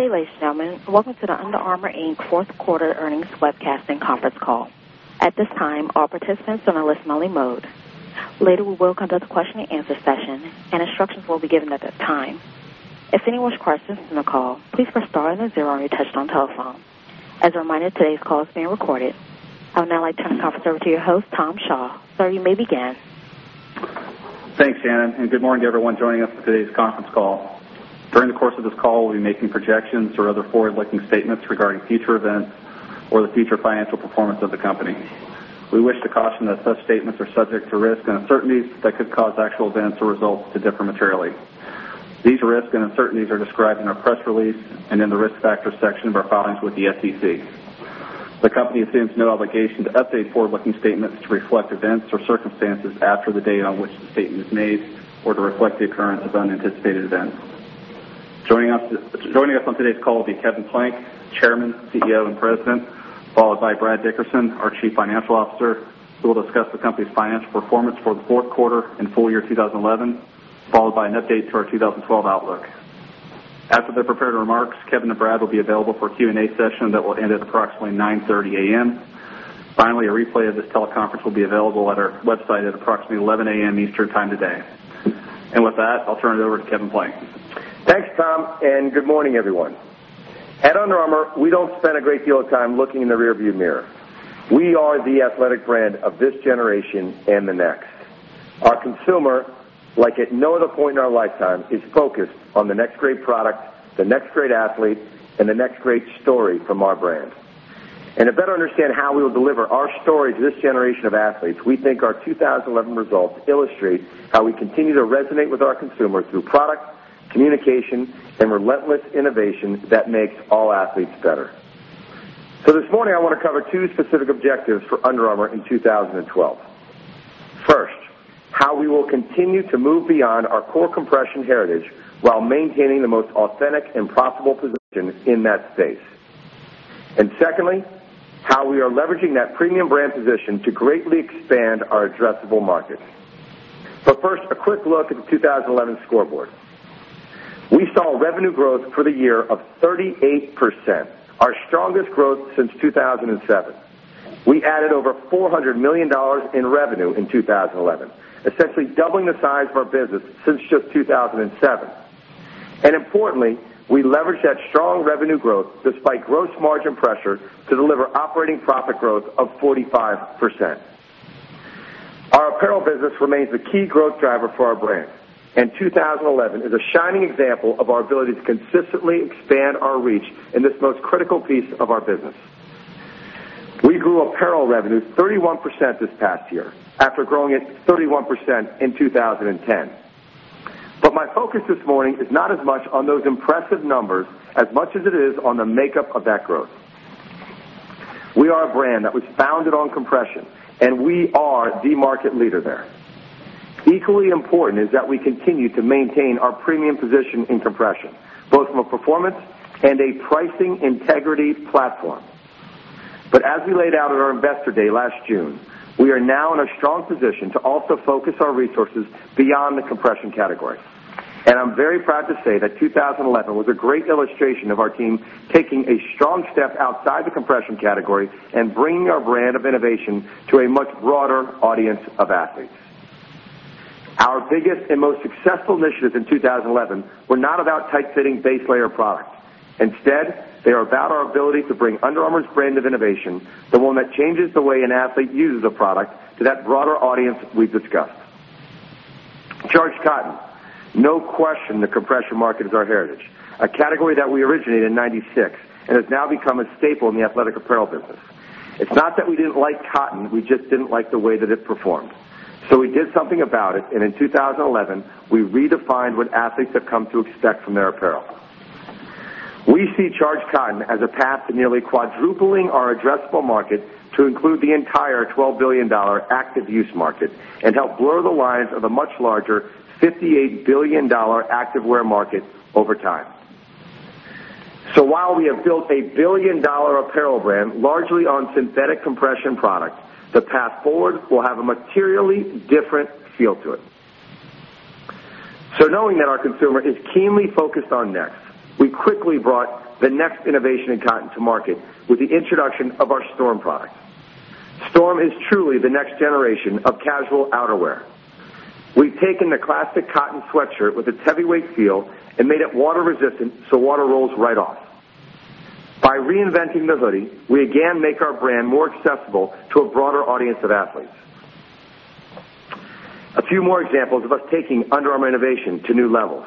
For today's call, welcome to the Under Armour, Inc. Fourth Quarter Earnings Webcast and Conference Call. At this time, all participants are in a listen-only mode. Later, we will conduct a question-and-answer session, and instructions will be given at that time. If anyone has questions during the call, please press star and then zero on your touchtone telephone. As a reminder, today's call is being recorded. I would now like to turn the conference over to your host, Thomas Shaw. Sir, you may begin. Thanks, Shannon, and good morning to everyone joining us for today's conference call. During the course of this call, we'll be making projections or other forward-looking statements regarding future events or the future financial performance of the company. We wish to caution that such statements are subject to risk and uncertainties that could cause actual events to result in different materiality. These risks and uncertainties are described in our press release and in the risk factors section of our filings with the SEC. The company assumes no obligation to update forward-looking statements to reflect events or circumstances after the date on which the statement is made or to reflect the occurrence of an anticipated event. Joining us on today's call will be Kevin Plank, Chairman, CEO, and President, followed by Brad Dickerson, our Chief Financial Officer, who will discuss the company's financial performance for the fourth quarter and full year 2011, followed by an update to our 2012 outlook. After their prepared remarks, Kevin and Brad will be available for a Q&A session that will end at approximately 9:30 A.M. Finally, a replay of this teleconference will be available at our website at approximately 11:00 A.M. Eastern time today. With that, I'll turn it over to Kevin Plank. Thanks, Tom, and good morning, everyone. At Under Armour, we don't spend a great deal of time looking in the rearview mirror. We are the athletic brand of this generation and the next. Our consumer, like at no other point in our lifetime, is focused on the next great product, the next great athlete, and the next great story from our brand. To better understand how we will deliver our story to this generation of athletes, we think our 2011 results illustrate how we continue to resonate with our consumer through product, communication, and relentless innovation that makes all athletes better. This morning, I want to cover two specific objectives for Under Armour in 2012. First, how we will continue to move beyond our core compression heritage while maintaining the most authentic and profitable position in that space. Secondly, how we are leveraging that premium brand position to greatly expand our addressable market. First, a quick look at the 2011 scoreboard. We saw revenue growth for the year of 38%, our strongest growth since 2007. We added over $400 million in revenue in 2011, essentially doubling the size of our business since just 2007. Importantly, we leveraged that strong revenue growth despite gross margin pressure to deliver operating profit growth of 45%. Our apparel business remains the key growth driver for our brand, and 2011 is a shining example of our ability to consistently expand our reach in this most critical piece of our business. We grew apparel revenue 31% this past year after growing it 31% in 2010. My focus this morning is not as much on those impressive numbers as much as it is on the makeup of that growth. We are a brand that was founded on compression, and we are the market leader there. Equally important is that we continue to maintain our premium position in compression, both from a performance and a pricing integrity platform. As we laid out in our investor day last June, we are now in a strong position to also focus our resources beyond the compression categories. I am very proud to say that 2011 was a great illustration of our team taking a strong step outside the compression category and bringing our brand of innovation to a much broader audience of athletes. Our biggest and most successful initiatives in 2011 were not about tight-fitting base layer product. Instead, they are about our ability to bring Under Armour's brand of innovation, the one that changes the way an athlete uses a product, to that broader audience we've discussed. Charged Cotton, no question, the compression market is our heritage, a category that we originated in 1996 and has now become a staple in the athletic apparel business. It's not that we didn't like cotton; we just didn't like the way that it performed. We did something about it, and in 2011, we redefined what athletes have come to expect from their apparel. We see Charged Cotton as a path to nearly quadrupling our addressable market to include the entire $12 billion active-use market and help blur the lines of the much larger $58 billion activewear market over time. While we have built a billion-dollar apparel brand largely on synthetic compression product, the path forward will have a materially different feel to it. Knowing that our consumer is keenly focused on next, we quickly brought the next innovation in cotton to market with the introduction of our Storm product. Storm is truly the next generation of casual outerwear. We've taken the classic cotton sweatshirt with its heavyweight feel and made it water-resistant, so water rolls right off. By reinventing the hoodie, we again make our brand more accessible to a broader audience of athletes. A few more examples of us taking Under Armour innovation to new levels,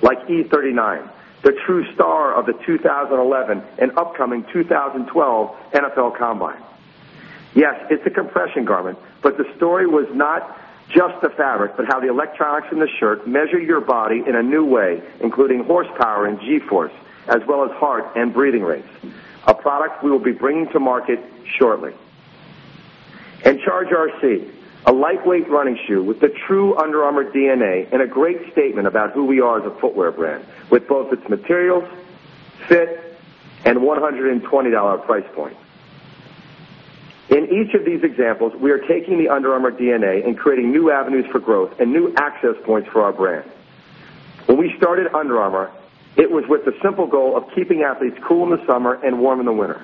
like E39, the true star of the 2011 and upcoming 2012 NFL Combine. Yes, it's a compression garment, but the story was not just the fabric, but how the electronics in the shirt measure your body in a new way, including horsepower and G-force, as well as heart and breathing rates, a product we will be bringing to market shortly. Charge RC, a lightweight running shoe with the true Under Armour DNA and a great statement about who we are as a footwear brand with both its materials, fit, and $120 price point. In each of these examples, we are taking the Under Armour DNA and creating new avenues for growth and new access points for our brand. When we started Under Armour, it was with the simple goal of keeping athletes cool in the summer and warm in the winter.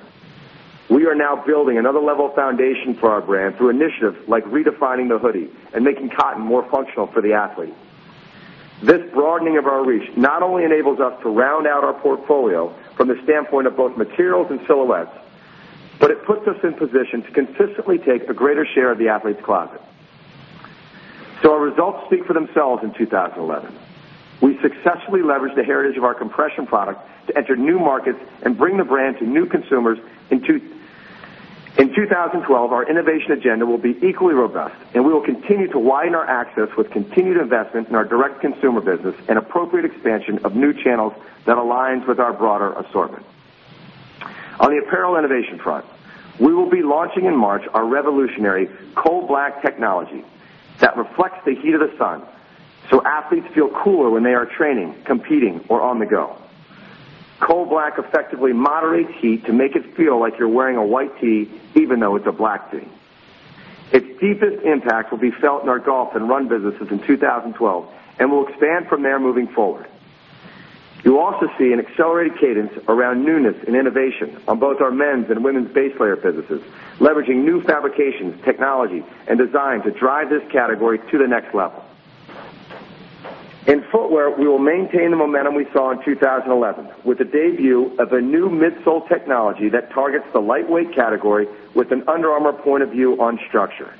We are now building another level foundation for our brand through initiatives like redefining the hoodie and making cotton more functional for the athlete. This broadening of our reach not only enables us to round out our portfolio from the standpoint of both materials and silhouettes, but it puts us in position to consistently take a greater share of the athlete's closet. Our results speak for themselves in 2011. We successfully leveraged the heritage of our compression product to enter new markets and bring the brand to new consumers. In 2012, our innovation agenda will be equally robust, and we will continue to widen our access with continued investment in our direct-to-consumer business and appropriate expansion of new channels that align with our broader assortment. On the apparel innovation front, we will be launching in March our revolutionary Cold Black technology that reflects the heat of the sun so athletes feel cooler when they are training, competing, or on the go. Cold Black effectively moderates heat to make it feel like you're wearing a white tee, even though it's a black tee. Its deepest impacts will be felt in our golf and run businesses in 2012 and will expand from there moving forward. You'll also see an accelerated cadence around newness and innovation on both our men's and women's base layer businesses, leveraging new fabrications, technology, and design to drive this category to the next level. In footwear, we will maintain the momentum we saw in 2011 with the debut of a new midsole technology that targets the lightweight category with an Under Armour point of view on structure.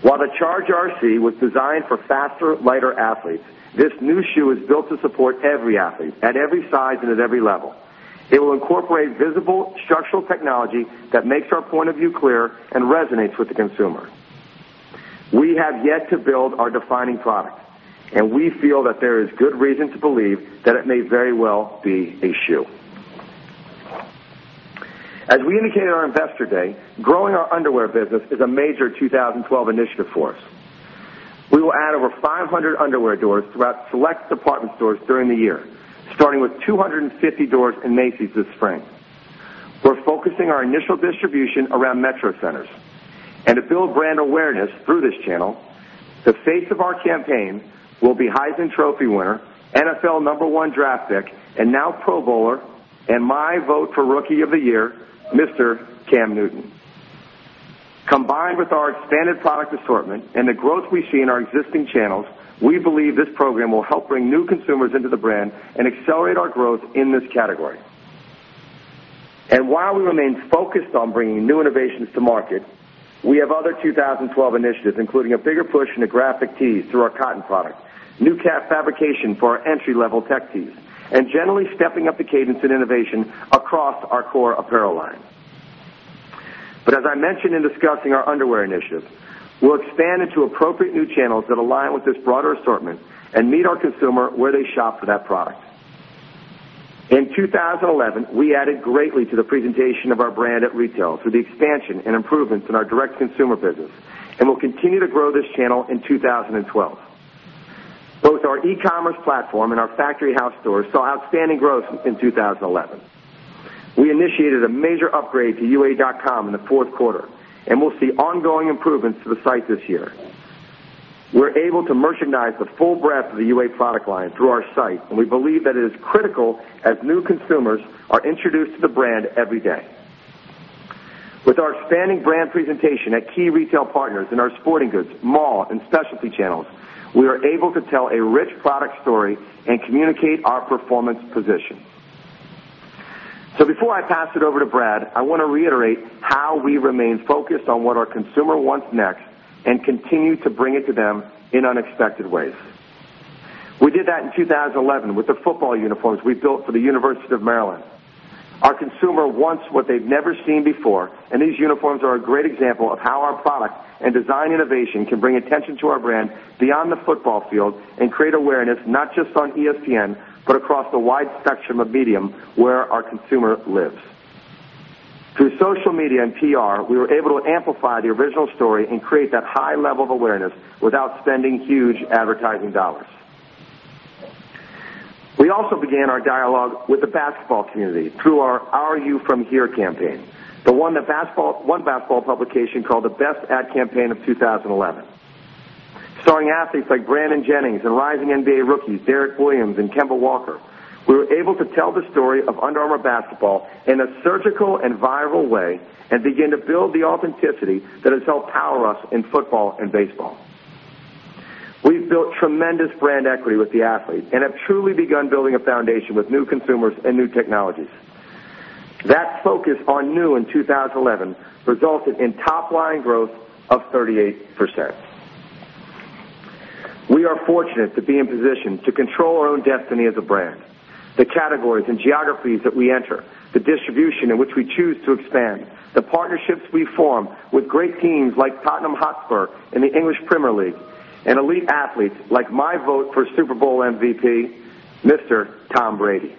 While the Charge RC was designed for faster, lighter athletes, this new shoe is built to support every athlete at every size and at every level. It will incorporate visible structural technology that makes our point of view clear and resonates with the consumer. We have yet to build our defining product, and we feel that there is good reason to believe that it may very well be a shoe. As we indicated on our investor day, growing our underwear business is a major 2012 initiative for us. We will add over 500 underwear doors throughout select department stores during the year, starting with 250 doors in Macy's this spring. We're focusing our initial distribution around metro centers. To build brand awareness through this channel, the face of our campaign will be Heisman Trophy winner, NFL number one draft pick, and now Pro Bowler, and my vote for Rookie of the Year, Mr. Cam Newton. Combined with our expanded product assortment and the growth we see in our existing channels, we believe this program will help bring new consumers into the brand and accelerate our growth in this category. While we remain focused on bringing new innovations to market, we have other 2012 initiatives, including a bigger push into graphic tees through our cotton product, new cap fabrication for our entry-level tech tees, and generally stepping up the cadence and innovation across our core apparel line. As I mentioned in discussing our underwear initiative, we will expand into appropriate new channels that align with this broader assortment and meet our consumer where they shop for that product. In 2011, we added greatly to the presentation of our brand at retail through the expansion and improvements in our direct-to-consumer business, and we will continue to grow this channel in 2012. Both our e-commerce platform and our factory house stores saw outstanding growth in 2011. We initiated a major upgrade to ua.com in the fourth quarter, and we will see ongoing improvements to the site this year. We are able to merchandise the full breadth of the UA product line through our site, and we believe that it is critical as new consumers are introduced to the brand every day. With our expanding brand presentation at key retail partners in our sporting goods, mall, and specialty channels, we are able to tell a rich product story and communicate our performance position. Before I pass it over to Brad, I want to reiterate how we remain focused on what our consumer wants next and continue to bring it to them in unexpected ways. We did that in 2011 with the football uniforms we built for the University of Maryland. Our consumer wants what they have never seen before, and these uniforms are a great example of how our product and design innovation can bring attention to our brand beyond the football field and create awareness not just on ESPN but across the wide spectrum of media where our consumer lives. Through social media and PR, we were able to amplify the original story and create that high level of awareness without spending huge advertising dollars. We also began our dialogue with the basketball community through our Are You From Here campaign, the one that one basketball publication called the Best Ad Campaign of 2011. Starring athletes like Brandon Jennings and rising NBA rookies Derrick Williams and Kemba Walker, we were able to tell the story of Under Armour basketball in a surgical and viral way and begin to build the authenticity that has helped power us in football and baseball. We've built tremendous brand equity with the athlete and have truly begun building a foundation with new consumers and new technologies. That focus on new in 2011 resulted in top-line growth of 38%. We are fortunate to be in position to control our own destiny as a brand. The categories and geographies that we enter, the distribution in which we choose to expand, the partnerships we form with great teams like Tottenham Hotspur and the English Premier League, and elite athletes like my vote for Super Bowl MVP, Mr. Tom Brady.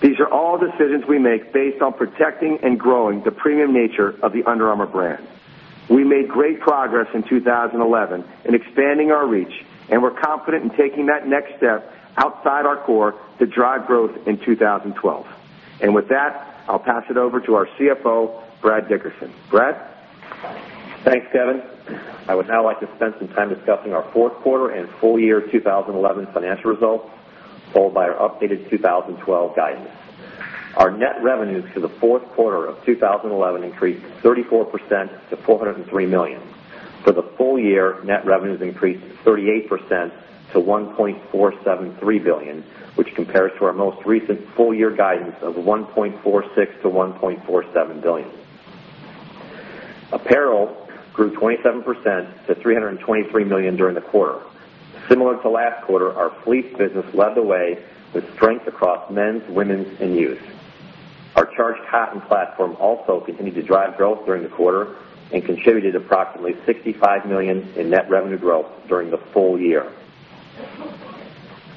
These are all decisions we make based on protecting and growing the premium nature of the Under Armour brand. We made great progress in 2011 in expanding our reach, and we're confident in taking that next step outside our core to drive growth in 2012. With that, I'll pass it over to our CFO, Brad Dickerson. Brad. Thanks, Kevin. I would now like to spend some time discussing our fourth quarter and full year 2011 financial results, followed by our updated 2012 guidance. Our net revenues for the fourth quarter of 2011 increased 34% to $403 million. For the full year, net revenues increased 38% to $1.473 billion, which compares to our most recent full year guidance of $1.46 billion-$1.47 billion. Apparel grew 27% to $323 million during the quarter. Similar to last quarter, our fleece business led the way with strength across men's, women's, and youth. Our Charged Cotton platform also continued to drive growth during the quarter and contributed approximately $65 million in net revenue growth during the full year.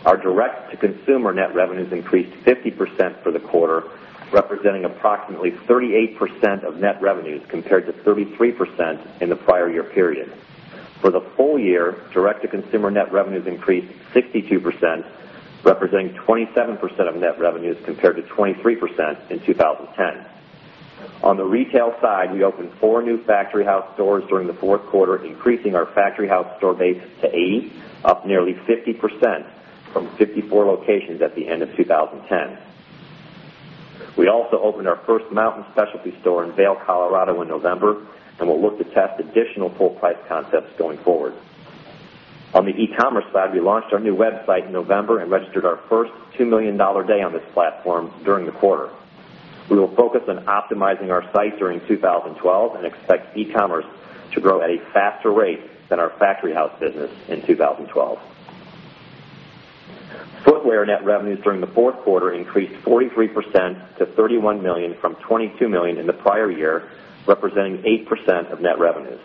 Our direct-to-consumer net revenues increased 50% for the quarter, representing approximately 38% of net revenues compared to 33% in the prior year period. For the full year, direct-to-consumer net revenues increased 62%, representing 27% of net revenues compared to 23% in 2010. On the retail side, we opened four new Factory House stores during the fourth quarter, increasing our Factory House store base to 80, up nearly 50% from 54 locations at the end of 2010. We also opened our first mountain specialty store in Vail, Colorado, in November, and we'll look to test additional full-price concepts going forward. On the e-commerce side, we launched our new website in November and registered our first $2 million day on this platform during the quarter. We will focus on optimizing our site during 2012 and expect e-commerce to grow at a faster rate than our Factory House business in 2012. Footwear net revenues during the fourth quarter increased 43% to $31 million from $22 million in the prior year, representing 8% of net revenues.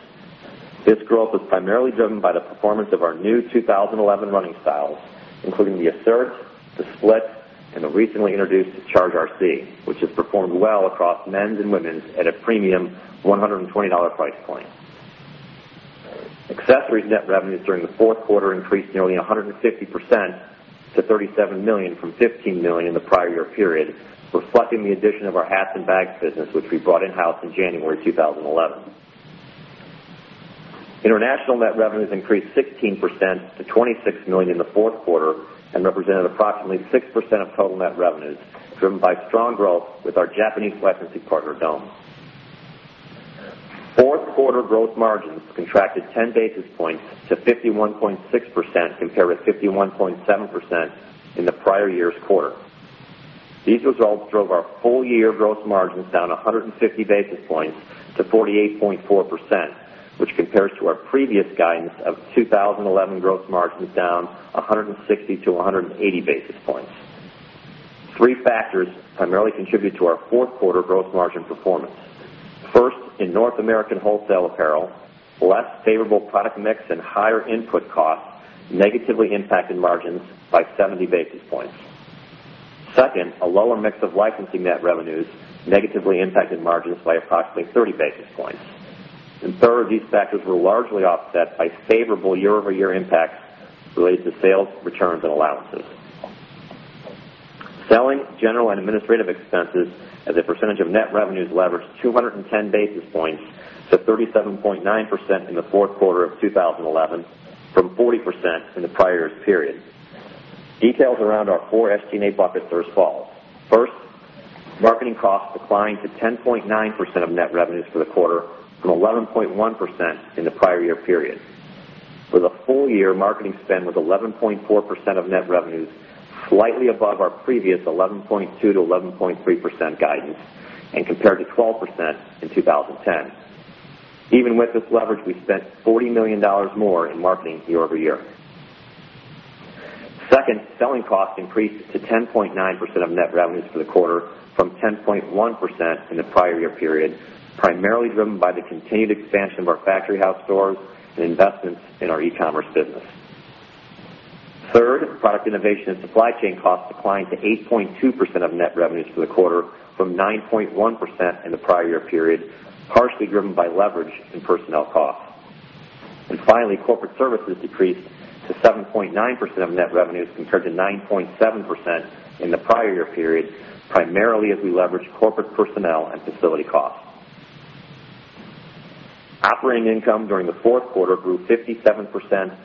This growth was primarily driven by the performance of our new 2011 running styles, including the Asserts, the Splits, and the recently introduced Charge RC, which has performed well across men's and women's at a premium $120 price point. Accessories net revenues during the fourth quarter increased nearly 150% to $37 million from $15 million in the prior year period, reflecting the addition of our hats and bags business, which we brought in-house in January 2011. International net revenues increased 16% to $26 million in the fourth quarter and represented approximately 6% of total net revenues, driven by strong growth with our Japanese licensing partner, Dome. Fourth quarter gross margins contracted 10 basis points to 51.6% compared with 51.7% in the prior year's quarter. These results drove our full year gross margins down 150 basis points to 48.4%, which compares to our previous guidance of 2011 gross margins down 160-180 basis points. Three factors primarily contributed to our fourth quarter gross margin performance. First, in North American wholesale apparel, less favorable product mix and higher input cost negatively impacted margins by 70 basis points. Second, a lower mix of licensing net revenues negatively impacted margins by approximately 30 basis points. Third, these factors were largely offset by favorable year-over-year impacts related to sales, returns, and allowances. Selling, general, and administrative expenses as a percentage of net revenues leveraged 210 basis points to 37.9% in the fourth quarter of 2011 from 40% in the prior year's period. Details around our four SG&A buckets are as follows: first, marketing costs declined to 10.9% of net revenues for the quarter from 11.1% in the prior year period. For the full year, marketing spend was 11.4% of net revenues, slightly above our previous 11.2%-11.3% guidance and compared to 12% in 2010. Even with this leverage, we spent $40 million more in marketing year over year. Second, selling costs increased to 10.9% of net revenues for the quarter from 10.1% in the prior year period, primarily driven by the continued expansion of our factory house stores and investments in our e-commerce business. Third, product innovation and supply chain costs declined to 8.2% of net revenues for the quarter from 9.1% in the prior year period, partially driven by leverage and personnel costs. Finally, corporate services decreased to 7.9% of net revenues compared to 9.7% in the prior year period, primarily as we leveraged corporate personnel and facility costs. Operating income during the fourth quarter grew 57%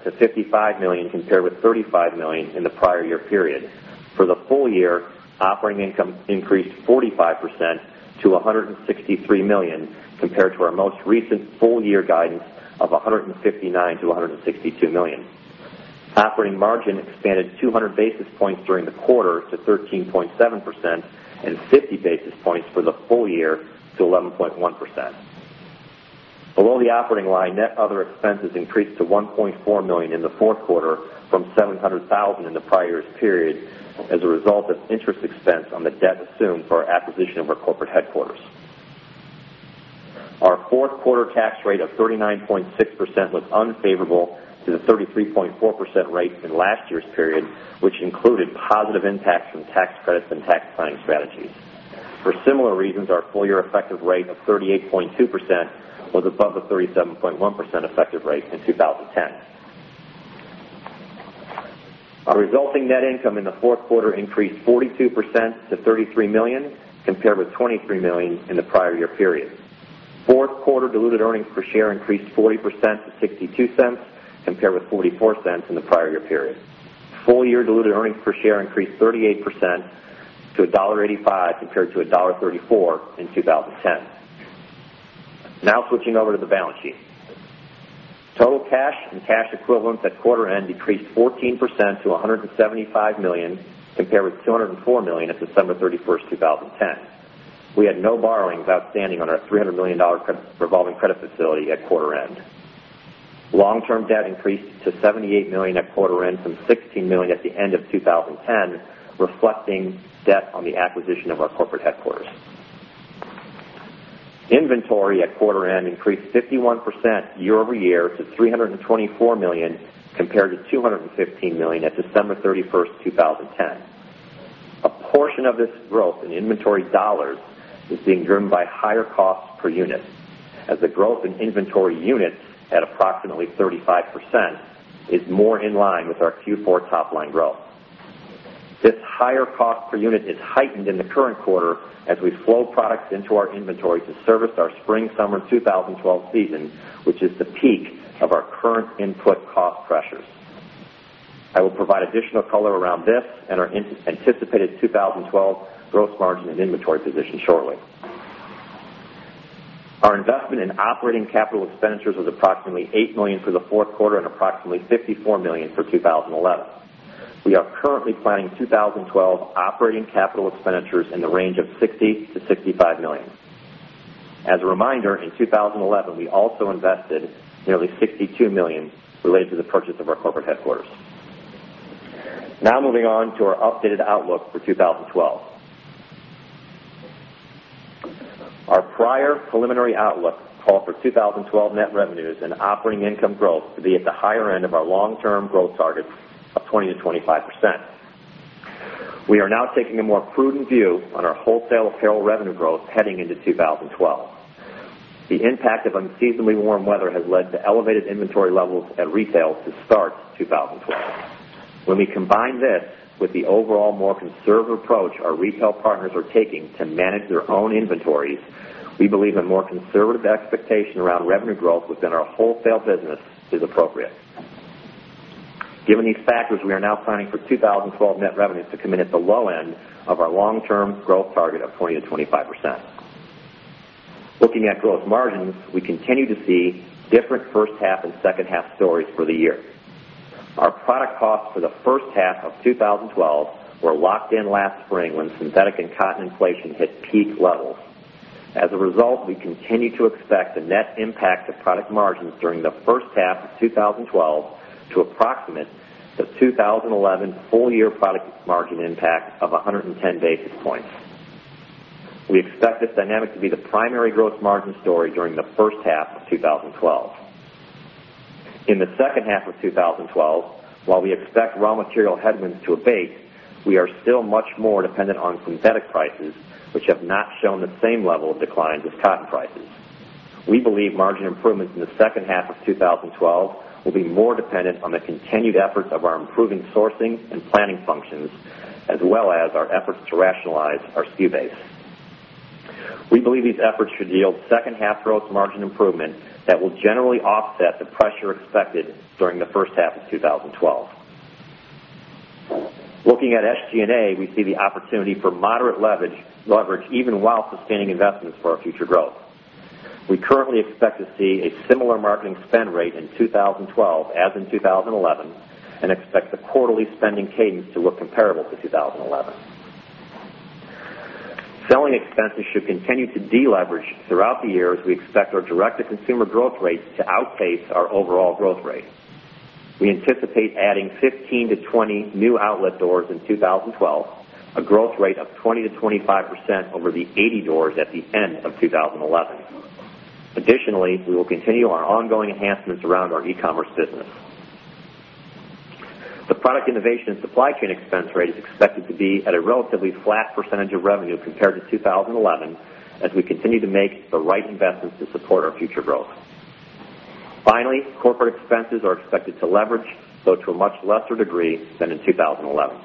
to $55 million compared with $35 million in the prior year period. For the full year, operating income increased 45% to $163 million compared to our most recent full year guidance of $159 million-$162 million. Operating margin expanded 200 basis points during the quarter to 13.7% and 50 basis points for the full year to 11.1%. Below the operating line, net other expenses increased to $1.4 million in the fourth quarter from $700,000 in the prior year's period as a result of interest expense on the debt assumed for our acquisition of our corporate headquarters. Our fourth quarter tax rate of 39.6% was unfavorable to the 33.4% rate in last year's period, which included positive impacts from tax credits and tax planning strategies. For similar reasons, our full year effective rate of 38.2% was above the 37.1% effective rate in 2010. Our resulting net income in the fourth quarter increased 42% to $33 million compared with $23 million in the prior year period. Fourth quarter diluted earnings per share increased 40% to $0.62 compared with $0.44 in the prior year period. Full year diluted earnings per share increased 38% to $1.85 compared to $1.34 in 2010. Now switching over to the balance sheet. Total cash and cash equivalents at quarter end decreased 14% to $175 million compared with $204 million at December 31st, 2010. We had no borrowings outstanding on our $300 million revolving credit facility at quarter end. Long-term debt increased to $78 million at quarter end from $16 million at the end of 2010, reflecting debt on the acquisition of our corporate headquarters. Inventory at quarter end increased 51% year-over-year to $324 million compared to $215 million at December 31, 2010. A portion of this growth in inventory dollars is being driven by higher costs per unit, as the growth in inventory units at approximately 35% is more in line with our Q4 top-line growth. This higher cost per unit is heightened in the current quarter as we flow products into our inventory to service our spring/summer 2012 season, which is the peak of our current input cost pressures. I will provide additional color around this and our anticipated 2012 gross margin and inventory position shortly. Our investment in operating capital expenditures was approximately $8 million for the fourth quarter and approximately $54 million for 2011. We are currently planning 2012 operating capital expenditures in the range of $60 million-$65 million. As a reminder, in 2011, we also invested nearly $62 million related to the purchase of our corporate headquarters. Now moving on to our updated outlook for 2012. Our prior preliminary outlook called for 2012 net revenues and operating income growth to be at the higher end of our long-term growth target of 20%-25%. We are now taking a more prudent view on our wholesale apparel revenue growth heading into 2012. The impact of unseasonably warm weather has led to elevated inventory levels at retail since start 2012. When we combine this with the overall more conservative approach our retail partners are taking to manage their own inventories, we believe a more conservative expectation around revenue growth within our wholesale business is appropriate. Given these factors, we are now planning for 2012 net revenues to come in at the low end of our long-term growth target of 20%-25%. Looking at gross margins, we continue to see different first half and second half stories for the year. Our product costs for the first half of 2012 were locked in last spring when synthetic and cotton inflation hit peak levels. As a result, we continue to expect the net impact of product margins during the first half of 2012 to approximate the 2011 full year product margin impact of 110 basis points. We expect this dynamic to be the primary gross margin story during the first half of 2012. In the second half of 2012, while we expect raw material headwinds to abate, we are still much more dependent on synthetic prices, which have not shown the same level of decline as cotton prices. We believe margin improvements in the second half of 2012 will be more dependent on the continued efforts of our improving sourcing and planning functions, as well as our efforts to rationalize our SKU base. We believe these efforts should yield second half gross margin improvement that will generally offset the pressure expected during the first half of 2012. Looking at SG&A, we see the opportunity for moderate leverage even while sustaining investments for our future growth. We currently expect to see a similar marketing spend rate in 2012 as in 2011 and expect the quarterly spending cadence to look comparable to 2011. Selling expenses should continue to deleverage throughout the year as we expect our direct-to-consumer growth rates to outpace our overall growth rate. We anticipate adding 15-20 new outlet doors in 2012, a growth rate of 20%-25% over the 80 doors at the end of 2011. Additionally, we will continue our ongoing enhancements around our e-commerce business. The product innovation and supply chain expense rate is expected to be at a relatively flat percentage of revenue compared to 2011 as we continue to make the right investments to support our future growth. Finally, corporate expenses are expected to leverage though to a much lesser degree than in 2011.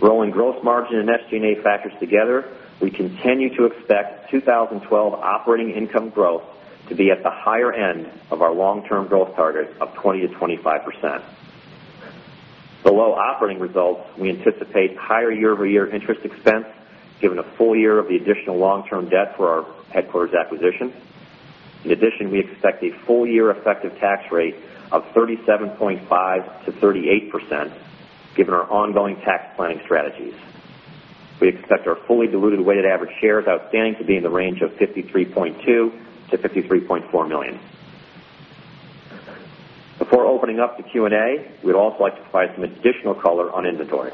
Rolling gross margin and SG&A factors together, we continue to expect 2012 operating income growth to be at the higher end of our long-term growth target of 20%-25%. Below operating results, we anticipate higher year-over-year interest expense given a full year of the additional long-term debt for our headquarters acquisition. In addition, we expect a full year effective tax rate of 37.5%-38% given our ongoing tax planning strategies. We expect our fully diluted weighted average shares outstanding to be in the range of 53.2 million-53.4 million. Before opening up to Q&A, we'd also like to provide some additional color on inventory.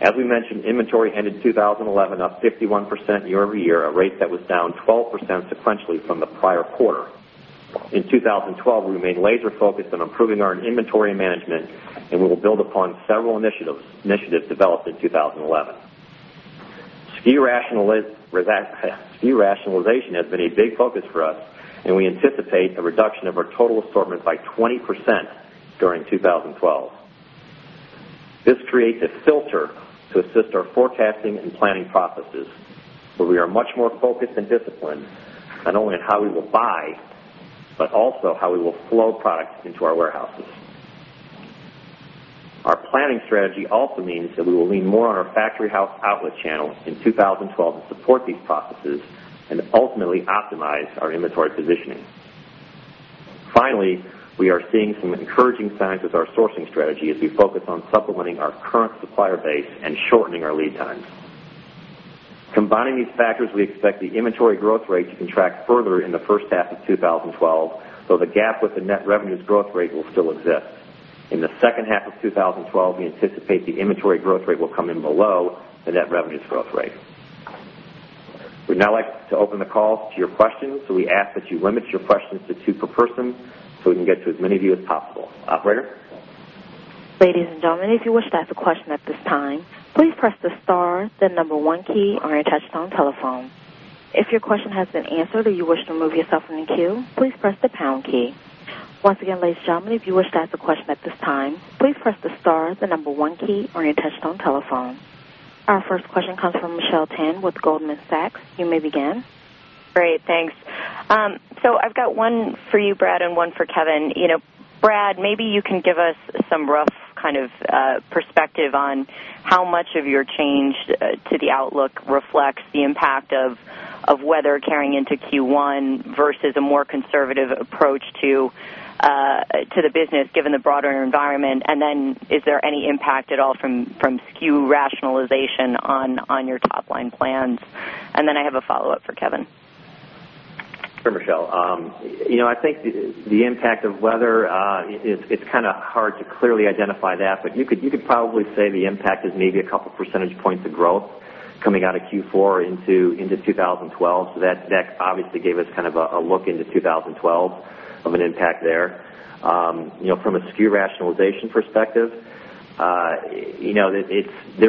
As we mentioned, inventory ended 2011 up 51% year-over-year, a rate that was down 12% sequentially from the prior quarter. In 2012, we remained laser-focused on improving our inventory management, and we will build upon several initiatives developed in 2011. SKU rationalization has been a big focus for us, and we anticipate a reduction of our total assortment by 20% during 2012. This creates a filter to assist our forecasting and planning processes, where we are much more focused and disciplined not only on how we will buy but also how we will flow products into our warehouses. Our planning strategy also means that we will lean more on our factory house outlet channel in 2012 and support these processes and ultimately optimize our inventory positioning. Finally, we are seeing some encouraging signs with our sourcing strategy as we focus on supplementing our current supplier base and shortening our lead times. Combining these factors, we expect the inventory growth rate to contract further in the first half of 2012, though the gap with the net revenues growth rate will still exist. In the second half of 2012, we anticipate the inventory growth rate will come in below the net revenues growth rate. We'd now like to open the call to your questions, so we ask that you limit your questions to two per person so we can get to as many of you as possible. Operator? Ladies and gentlemen, if you wish to ask a question at this time, please press the star, then number one key on your touchtone telephone. If your question has been answered or you wish to remove yourself from the queue, please press the pound key. Once again, ladies and gentlemen, if you wish to ask a question at this time, please press the star, then number one key on your touchtone telephone. Our first question comes from Michelle Tan with Goldman Sachs. You may begin. Great. Thanks. I've got one for you, Brad, and one for Kevin. Brad, maybe you can give us some rough kind of perspective on how much of your change to the outlook reflects the impact of weather carrying into Q1 versus a more conservative approach to the business given the broader environment. Is there any impact at all from SKU rationalization on your top-line plans? I have a follow-up for Kevin. Sure, Michelle. I think the impact of weather, it's kind of hard to clearly identify that, but you could probably say the impact is maybe a couple % of growth coming out of Q4 into 2012. That obviously gave us kind of a look into 2012 of an impact there. From a SKU rationalization perspective, there's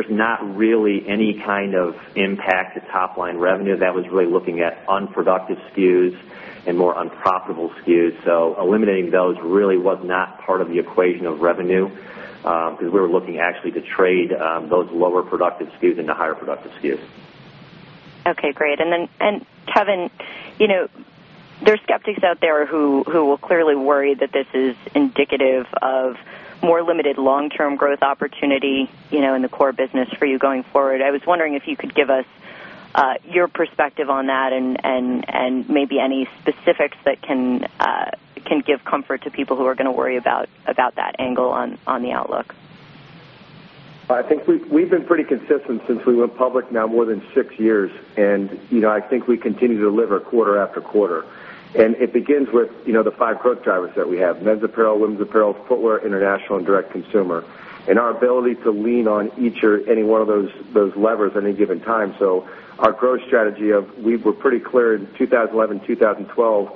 not really any kind of impact to top-line revenue. That was really looking at unproductive SKUs and more unprofitable SKUs. Eliminating those really was not part of the equation of revenue, because we were looking actually to trade those lower productive SKUs into higher productive SKUs. Okay. Great. Kevin, you know, there's skeptics out there who will clearly worry that this is indicative of more limited long-term growth opportunity in the core business for you going forward. I was wondering if you could give us your perspective on that and maybe any specifics that can give comfort to people who are going to worry about that angle on the outlook? I think we've been pretty consistent since we went public now more than six years. I think we continue to deliver quarter after quarter. It begins with the five growth drivers that we have: men's apparel, women's apparel, footwear, international, and direct-to-consumer, and our ability to lean on each or any one of those levers at any given time. Our growth strategy was pretty clear in 2011, 2012,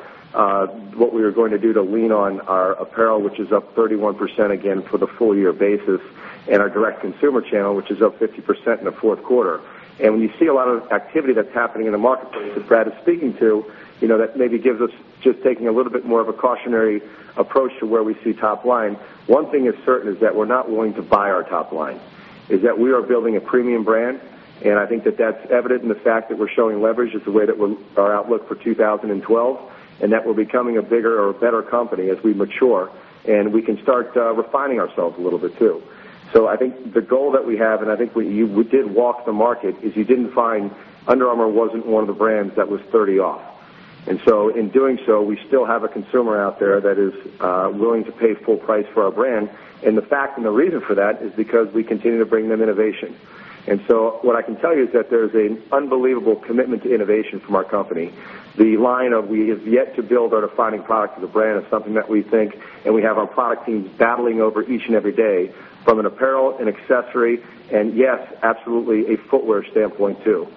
what we were going to do to lean on our apparel, which is up 31% again for the full year basis, and our direct-to-consumer channel, which is up 50% in the fourth quarter. When you see a lot of activity that's happening in the marketplace that Brad is speaking to, that maybe gives us just taking a little bit more of a cautionary approach to where we see top line. One thing is certain is that we're not willing to buy our top line, is that we are building a premium brand. I think that that's evident in the fact that we're showing leverage as the way that our outlook for 2012 and that we're becoming a bigger or a better company as we mature. We can start refining ourselves a little bit too. I think the goal that we have, and I think you did walk the market, is you didn't find Under Armour wasn't one of the brands that was 30% off. In doing so, we still have a consumer out there that is willing to pay full price for our brand. The fact and the reason for that is because we continue to bring them innovation. What I can tell you is that there's an unbelievable commitment to innovation from our company. The line of we have yet to build our defining product of the brand is something that we think, and we have our product teams battling over each and every day from an apparel and accessory and, yes, absolutely a footwear standpoint too.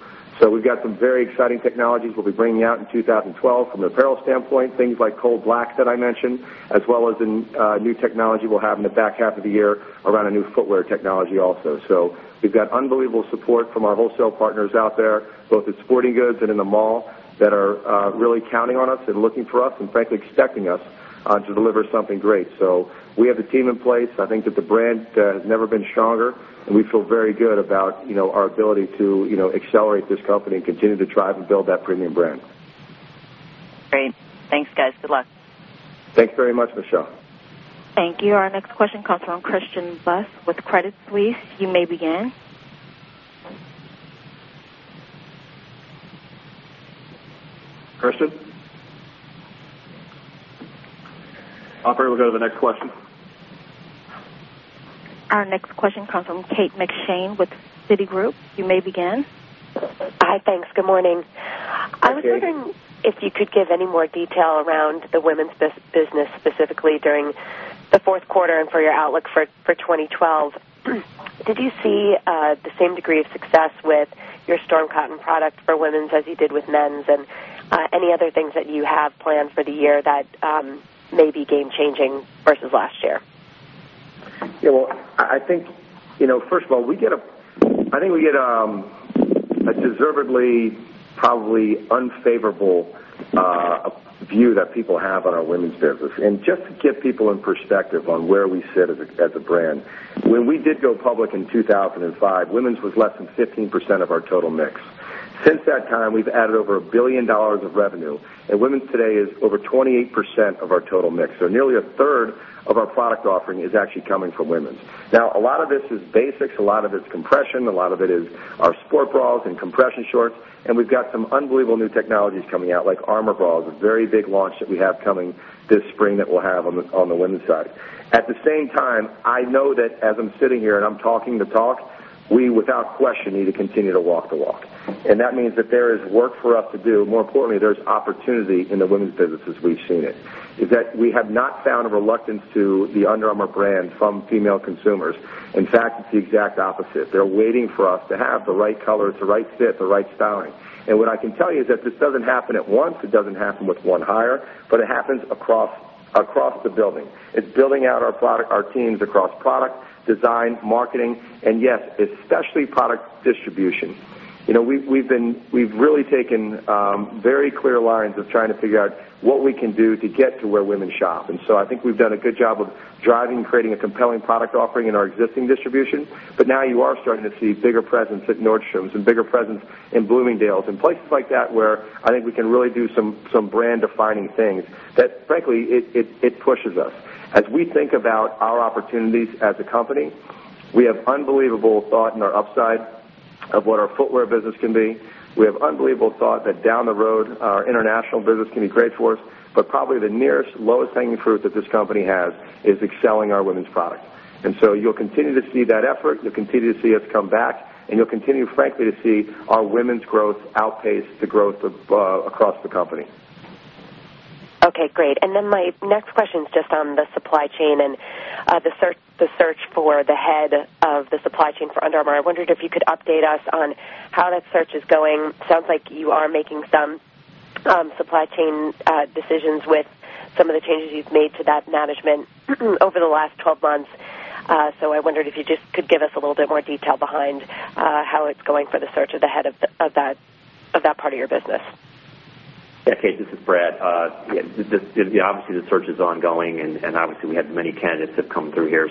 We've got some very exciting technologies we'll be bringing out in 2012 from an apparel standpoint, things like Cold Black that I mentioned, as well as a new technology we'll have in the back half of the year around a new footwear technology also. We've got unbelievable support from our wholesale partners out there, both in sporting goods and in the mall, that are really counting on us and looking for us and frankly expecting us to deliver something great. We have the team in place. I think that the brand has never been stronger, and we feel very good about our ability to accelerate this company and continue to drive and build that premium brand. Same. Thanks, guys. Good luck. Thanks very much, Michelle. Thank you. Our next question comes from Christian Bus with Credit Suisse. You may begin. Operator, we will go to the next question. Our next question comes from Kate McShane with Citigroup. You may begin. Hi, thanks. Good morning. Good morning. I was wondering if you could give any more detail around the women's business specifically during the fourth quarter and for your outlook for 2012. Did you see the same degree of success with your Storm cotton product for women's as you did with men's, and any other things that you have planned for the year that may be game-changing versus last year? I think, you know, first of all, we get a deservedly probably unfavorable view that people have on our women's business. Just to get people in perspective on where we sit as a brand, when we did go public in 2005, women's was less than 15% of our total mix. Since that time, we've added over $1 billion of revenue, and women's today is over 28% of our total mix. Nearly a third of our product offering is actually coming from women's. A lot of this is basics. A lot of it's compression. A lot of it is our sport bras and compression shorts. We've got some unbelievable new technologies coming out like armor bras, a very big launch that we have coming this spring that we'll have on the women's side. At the same time, I know that as I'm sitting here and I'm talking the talk, we, without question, need to continue to walk the walk. That means that there is work for us to do. More importantly, there's opportunity in the women's business as we've seen it, is that we have not found a reluctance to the Under Armour brand from female consumers. In fact, it's the exact opposite. They're waiting for us to have the right color, the right fit, the right styling. What I can tell you is that this doesn't happen at once. It doesn't happen with one hire, but it happens across the building. It's building out our product, our teams across product, design, marketing, and yes, especially product distribution. We've really taken very clear lines of trying to figure out what we can do to get to where women shop. I think we've done a good job of driving and creating a compelling product offering in our existing distribution. Now you are starting to see bigger presence at Nordstrom and bigger presence in Bloomingdale's and places like that where I think we can really do some brand-defining things that, frankly, it pushes us. As we think about our opportunities as a company, we have unbelievable thought in our upside of what our footwear business can be. We have unbelievable thought that down the road, our international business can be great for us. Probably the nearest lowest-hanging fruit that this company has is excelling our women's product. You'll continue to see that effort. You'll continue to see us come back. You'll continue, frankly, to see our women's growth outpace the growth of, across the company. Okay. Great. My next question is just on the supply chain and the search for the head of the supply chain for Under Armour. I wondered if you could update us on how that search is going. It sounds like you are making some supply chain decisions with some of the changes you've made to that management over the last 12 months. I wondered if you could give us a little bit more detail behind how it's going for the search of the head of that part of your business. Yeah. Kate, this is Brad. Obviously, the search is ongoing. We have many candidates that have come through here.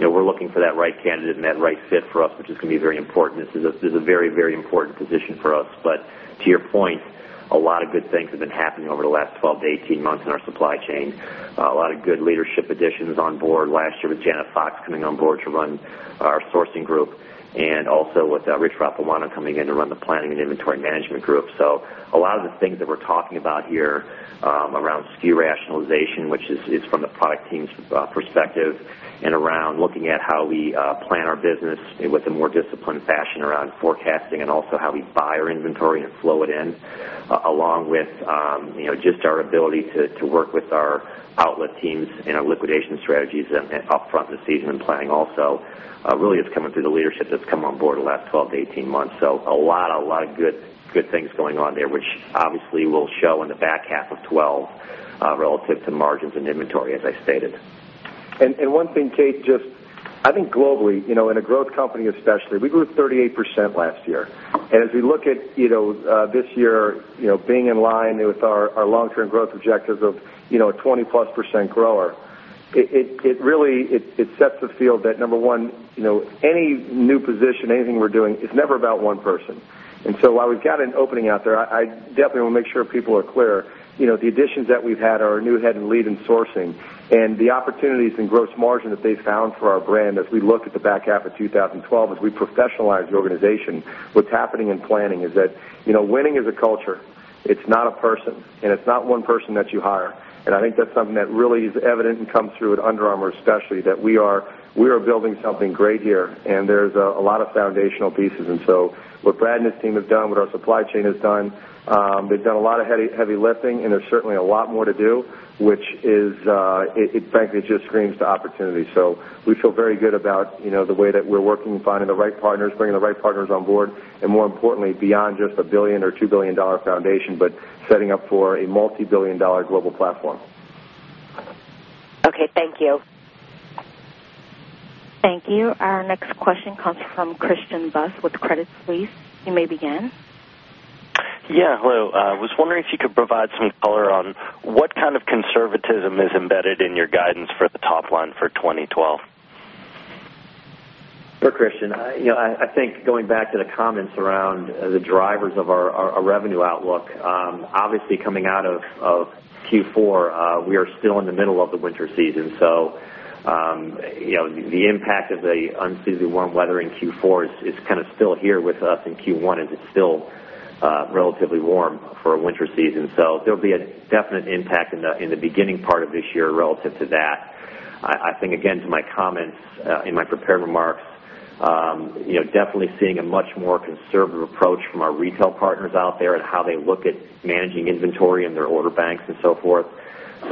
We're looking for that right candidate and that right fit for us, which is going to be very important. This is a very, very important position for us. To your point, a lot of good things have been happening over the last 12-18 months in our supply chain. A lot of good leadership additions on board last year with Janet Fox coming on board to run our sourcing group and also with Rich Rappamone coming in to run the planning and inventory management group. A lot of the things that we're talking about here, around SKU rationalization, which is from the product team's perspective, and around looking at how we plan our business in with a more disciplined fashion around forecasting and also how we buy our inventory and flow it in, along with just our ability to work with our outlet teams and our liquidation strategies and upfront decision and planning, also really is coming through the leadership that's come on board in the last 12-18 months. A lot of good things going on there, which obviously will show in the back half of 2012, relative to margins and inventory, as I stated. One thing, Kate, just I think globally, you know, in a growth company especially, we grew 38% last year. As we look at this year, you know, being in line with our long-term growth objectives of, you know, a 20+% grower, it really sets the field that, number one, any new position, anything we're doing, it's never about one person. While we've got an opening out there, I definitely want to make sure people are clear, the additions that we've had are a new head and lead in sourcing and the opportunities and gross margin that they found for our brand as we look at the back half of 2012 as we professionalize the organization. What's happening in planning is that winning is a culture. It's not a person. It's not one person that you hire. I think that's something that really is evident and comes through at Under Armour especially, that we are building something great here. There's a lot of foundational pieces. What Brad and his team have done, what our supply chain has done, they've done a lot of heavy lifting, and there's certainly a lot more to do, which frankly just screams to opportunity. We feel very good about the way that we're working and finding the right partners, bringing the right partners on board, and more importantly, beyond just a $1 billion or $2 billion foundation, but setting up for a multi-billion dollar global platform. Okay, thank you. Thank you. Our next question comes from Christian Bus with Credit Suisse. You may begin. Yeah. Hello. I was wondering if you could provide some color on what kind of conservatism is embedded in your guidance for the top line for 2012? Sure, Christian. I think going back to the comments around the drivers of our revenue outlook, obviously, coming out of Q4, we are still in the middle of the winter season. The impact of the unseasonably warm weather in Q4 is kind of still here with us in Q1, and it's still relatively warm for a winter season. There will be a definite impact in the beginning part of this year relative to that. I think, again, to my comments in my prepared remarks, definitely seeing a much more conservative approach from our retail partners out there and how they look at managing inventory and their order banks and so forth.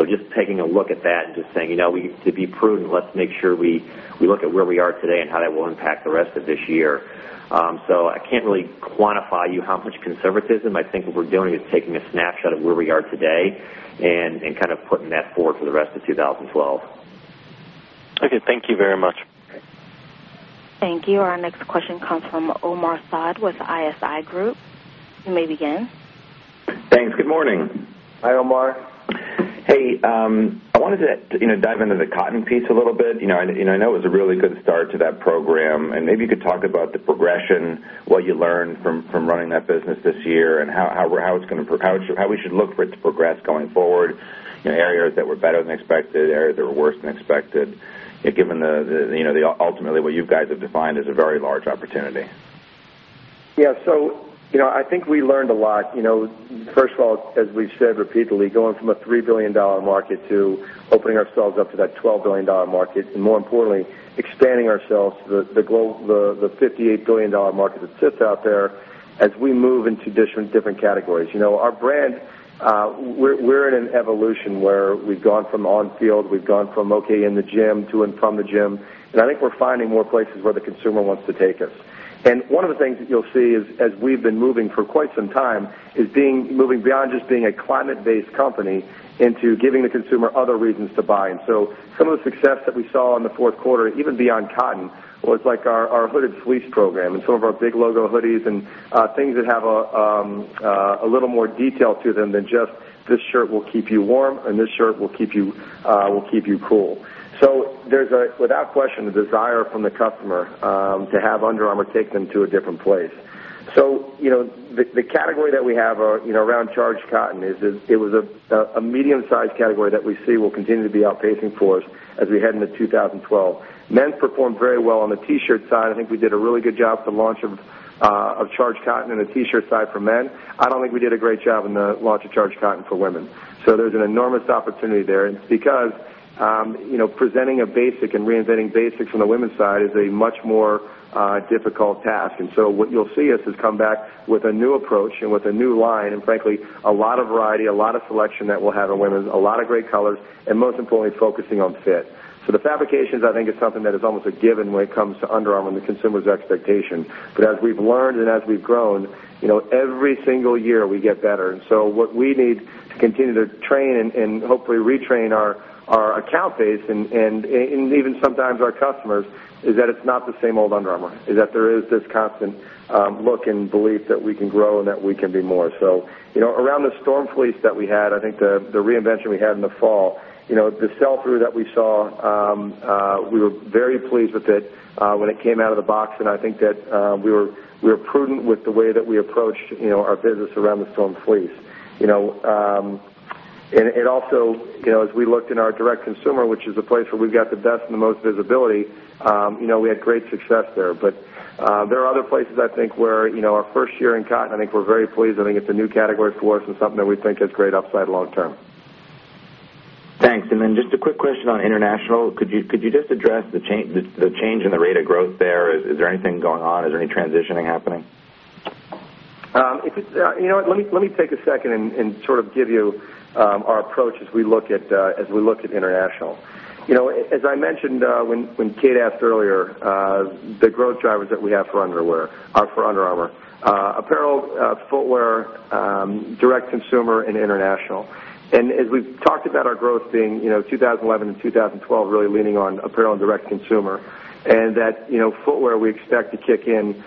Just taking a look at that and saying, we need to be prudent, let's make sure we look at where we are today and how that will impact the rest of this year. I can't really quantify for you how much conservatism. I think what we're doing is taking a snapshot of where we are today and kind of putting that forward for the rest of 2012. Okay, thank you very much. Thank you. Our next question comes from Omar Saad with ISI Group. You may begin. Thanks. Good morning. Hi, Omar. Hey, I wanted to dive into the cotton piece a little bit. I know it was a really good start to that program, and maybe you could talk about the progression, what you learned from running that business this year, and how it's going to, how we should look for it to progress going forward. Areas that were better than expected, areas that were worse than expected, given ultimately what you guys have defined as a very large opportunity. Yeah. I think we learned a lot. First of all, as we've said repeatedly, going from a $3 billion market to opening ourselves up to that $12 billion market and, more importantly, expanding ourselves to the $58 billion market that sits out there as we move into different categories. Our brand, we're in an evolution where we've gone from on-field, we've gone from in the gym to and from the gym. I think we're finding more places where the consumer wants to take us. One of the things that you'll see is as we've been moving for quite some time is moving beyond just being a climate-based company into giving the consumer other reasons to buy. Some of the success that we saw in the fourth quarter, even beyond cotton, was like our hooded fleece program and some of our big logo hoodies and things that have a little more detail to them than just, "This shirt will keep you warm," and, "This shirt will keep you cool." There is, without question, a desire from the customer to have Under Armour take them to a different place. The category that we have around Charged Cotton is a medium-sized category that we see will continue to be outpacing for us as we head into 2012. Men performed very well on the T-shirt side. I think we did a really good job at the launch of Charged Cotton in the T-shirt side for men. I don't think we did a great job in the launch of Charged Cotton for women. There's an enormous opportunity there. It's because presenting a basic and reinventing basics on the women's side is a much more difficult task. What you'll see us do is come back with a new approach and with a new line and, frankly, a lot of variety, a lot of selection that we'll have in women's, a lot of great colors, and most importantly, focusing on fit. The fabrications, I think, is something that is almost a given when it comes to Under Armour and the consumer's expectation. As we've learned and as we've grown, every single year, we get better. What we need to continue to train and hopefully retrain our account base and even sometimes our customers is that it's not the same old Under Armour, that there is this constant look and belief that we can grow and that we can be more. Around the Storm fleece that we had, I think the reinvention we had in the fall, the sell-through that we saw, we were very pleased with it when it came out of the box. I think that we were prudent with the way that we approached our business around the Storm fleece. It also, as we looked in our direct-to-consumer, which is the place where we've got the best and the most visibility, we had great success there. There are other places I think where our first year in cotton, I think we're very pleased. I think it's a new category for us and something that we think has great upside long term. Thanks. Just a quick question on international. Could you just address the change in the rate of growth there? Is there anything going on? Is there any transitioning happening? Let me take a second and sort of give you our approach as we look at international. As I mentioned, when Kate asked earlier, the growth drivers that we have for Under Armour are apparel, footwear, direct-to-consumer, and international. As we've talked about our growth being 2011 and 2012 really leaning on apparel and direct-to-consumer, footwear we expect to kick in,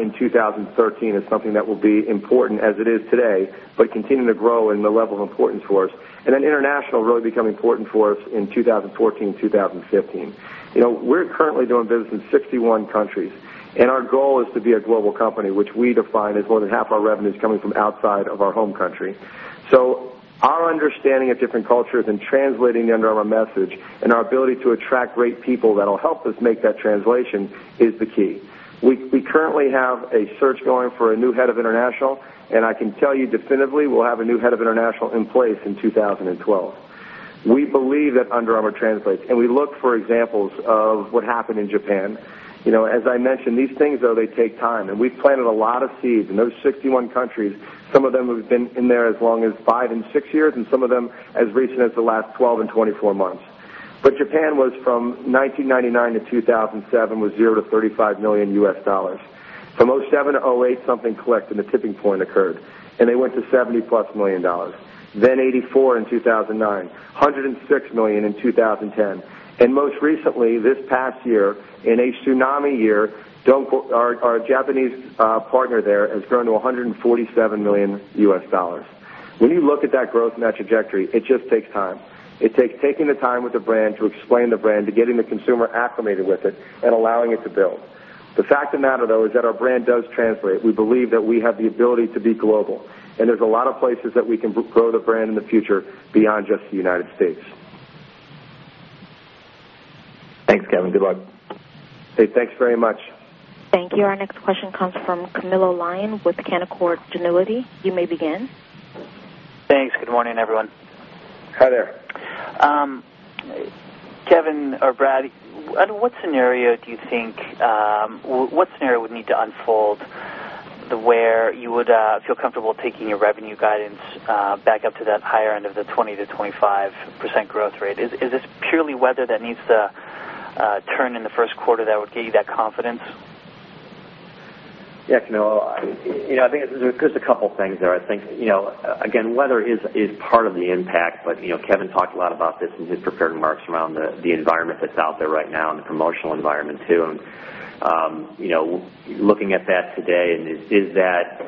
in 2013 as something that will be important as it is today, but continuing to grow in the level of importance for us. International really becomes important for us in 2014 and 2015. We're currently doing business in 61 countries, and our goal is to be a global company, which we define as more than half of our revenue coming from outside of our home country. Our understanding of different cultures and translating the Under Armour message, and our ability to attract great people that'll help us make that translation, is the key. We currently have a search going for a new Head of International, and I can tell you definitively we'll have a new Head of International in place in 2012. We believe that Under Armour translates, and we look for examples of what happened in Japan. As I mentioned, these things take time. We've planted a lot of seeds in those 61 countries. Some of them have been in there as long as 5 and 6 years and some of them as recent as the last 12 and 24 months. Japan was from 1999 to 2007, $0-$35 million. From 2007 to 2008, something clicked and the tipping point occurred, and they went to $70+ million. Then 2008 and 2009, $84 million, $106 million in 2010. Most recently, this past year, in a tsunami year, our Japanese partner there has grown to $147 million. When you look at that growth and that trajectory, it just takes time. It takes taking the time with the brand to explain the brand, to get the consumer acclimated with it, and allowing it to build. The fact of the matter is that our brand does translate. We believe that we have the ability to be global, and there's a lot of places that we can grow the brand in the future beyond just the United States. Thanks, Kevin. Good luck. Hey, thanks very much. Thank you. Our next question comes from Camilo Lyon with Canaccord Genuity. You may begin. Thanks. Good morning, everyone. Hi there. Kevin or Brad, what scenario do you think, what scenario would need to unfold to where you would feel comfortable taking your revenue guidance back up to that higher end of the 20%-25% growth rate? Is this purely weather that needs to turn in the first quarter that would give you that confidence? Yeah, Camilo. I think there's a couple of things there. I think, you know, again, weather is part of the impact. Kevin talked a lot about this in his prepared remarks around the environment that's out there right now and the promotional environment too. Looking at that today, is that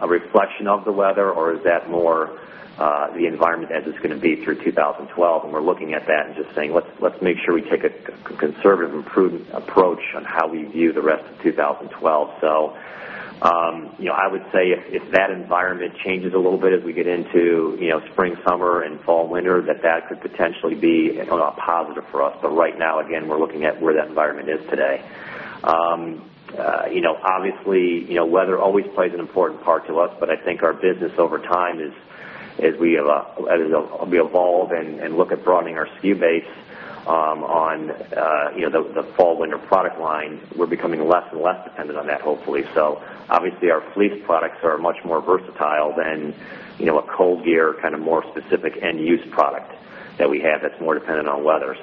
a reflection of the weather, or is that more the environment as it's going to be through 2012? We're looking at that and just saying, let's make sure we take a conservative and prudent approach on how we view the rest of 2012. I would say if that environment changes a little bit as we get into spring, summer, fall, and winter, that could potentially be, I don't know, a positive for us. Right now, we're looking at where that environment is today. Obviously, weather always plays an important part to us. I think our business over time is as we have, as we evolve and look at broadening our SKU base on the fall-winter product line, we're becoming less and less dependent on that, hopefully. Obviously, our fleece products are much more versatile than a ColdGear kind of more specific end-use product that we have that's more dependent on weather.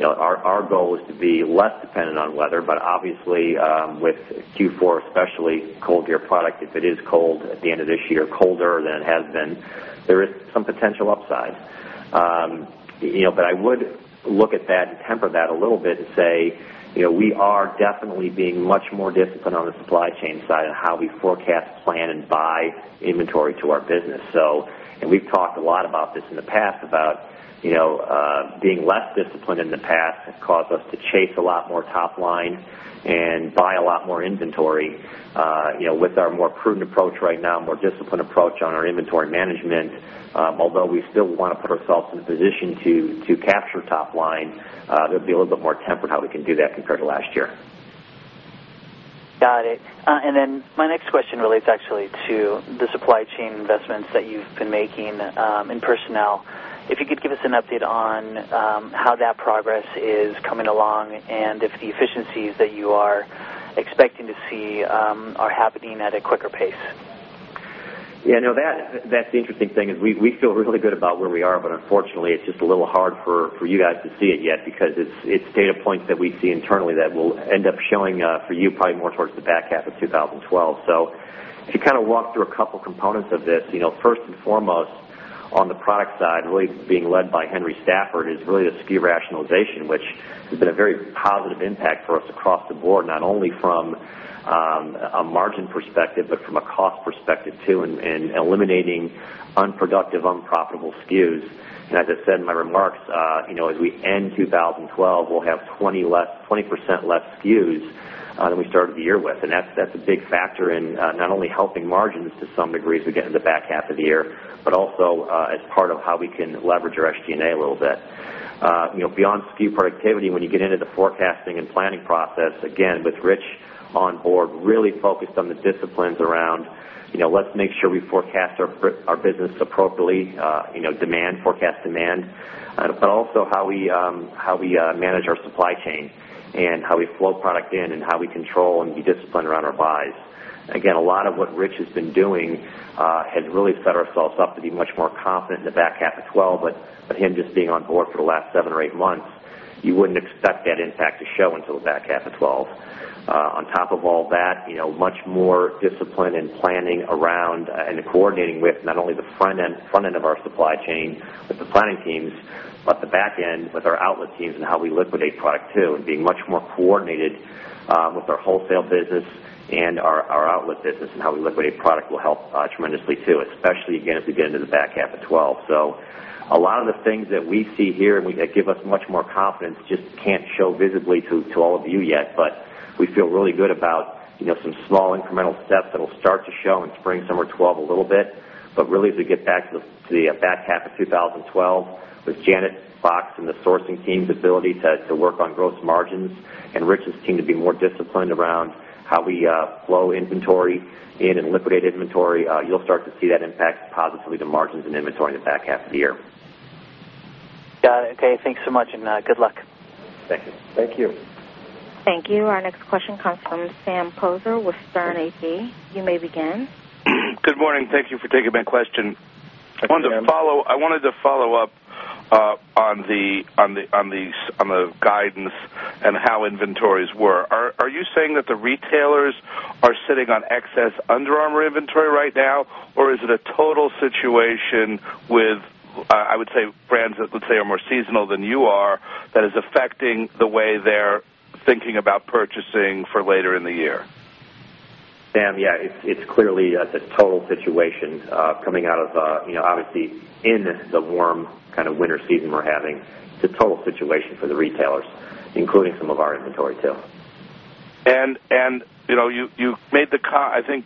Our goal is to be less dependent on weather. Obviously, with Q4 especially, ColdGear product, if it is cold at the end of this year, colder than it has been, there is some potential upside. I would look at that to temper that a little bit to say we are definitely being much more disciplined on the supply chain side and how we forecast, plan, and buy inventory to our business. We've talked a lot about this in the past about being less disciplined in the past has caused us to chase a lot more top line and buy a lot more inventory. With our more prudent approach right now, more disciplined approach on our inventory management, although we still want to put ourselves in a position to capture top line, there'll be a little bit more tempered how we can do that compared to last year. Got it. My next question relates actually to the supply chain investments that you've been making in personnel. If you could give us an update on how that progress is coming along and if the efficiencies that you are expecting to see are happening at a quicker pace. Yeah. No, that's the interesting thing is we feel really good about where we are. Unfortunately, it's just a little hard for you guys to see it yet because it's data points that we see internally that will end up showing for you probably more towards the back half of 2012. Just to kind of walk through a couple of components of this, first and foremost, on the product side, really being led by Henry Stafford, is really the SKU rationalization, which has been a very positive impact for us across the board, not only from a margin perspective but from a cost perspective too, and eliminating unproductive, unprofitable SKUs. As I said in my remarks, as we end 2012, we'll have 20% less SKUs than we started the year with. That's a big factor in not only helping margins to some degree as we get into the back half of the year but also as part of how we can leverage our SG&A a little bit. Beyond SKU productivity, when you get into the forecasting and planning process, again, with Rich on board, really focused on the disciplines around, you know, let's make sure we forecast our business appropriately, demand forecast demand, but also how we manage our supply chain and how we flow product in and how we control and be disciplined around our buys. A lot of what Rich has been doing has really set ourselves up to be much more confident in the back half of 2012. With him just being on board for the last seven or eight months, you wouldn't expect that impact to show until the back half of 2012. On top of all that, much more discipline and planning around and coordinating with not only the front end of our supply chain, the planning teams, but the back end with our outlet teams and how we liquidate product too. Being much more coordinated with our wholesale business and our outlet business and how we liquidate product will help tremendously too, especially again as we get into the back half of 2012. A lot of the things that we see here and that give us much more confidence just can't show visibly to all of you yet. We feel really good about some small incremental steps that will start to show in spring, summer 2012 a little bit. Really, as we get back to the back half of 2012 with Janet Fox and the sourcing team's ability to work on gross margins and Rich's team to be more disciplined around how we flow inventory in and liquidate inventory, you'll start to see that impact positively to margins and inventory in the back half of the year. Got it. Okay, thanks so much and good luck. Thank you. Thank you. Thank you. Our next question comes from Sam Poser with Stifel. You may begin. Good morning. Thank you for taking my question. I wanted to follow up on the guidance and how inventories were. Are you saying that the retailers are sitting on excess Under Armour inventory right now, or is it a total situation with, I would say, brands that, let's say, are more seasonal than you are that is affecting the way they're thinking about purchasing for later in the year? Sam, yeah. It's clearly a total situation, coming out of, you know, obviously, in the warm kind of winter season we're having. It's a total situation for the retailers, including some of our inventory too. You know, you made the comment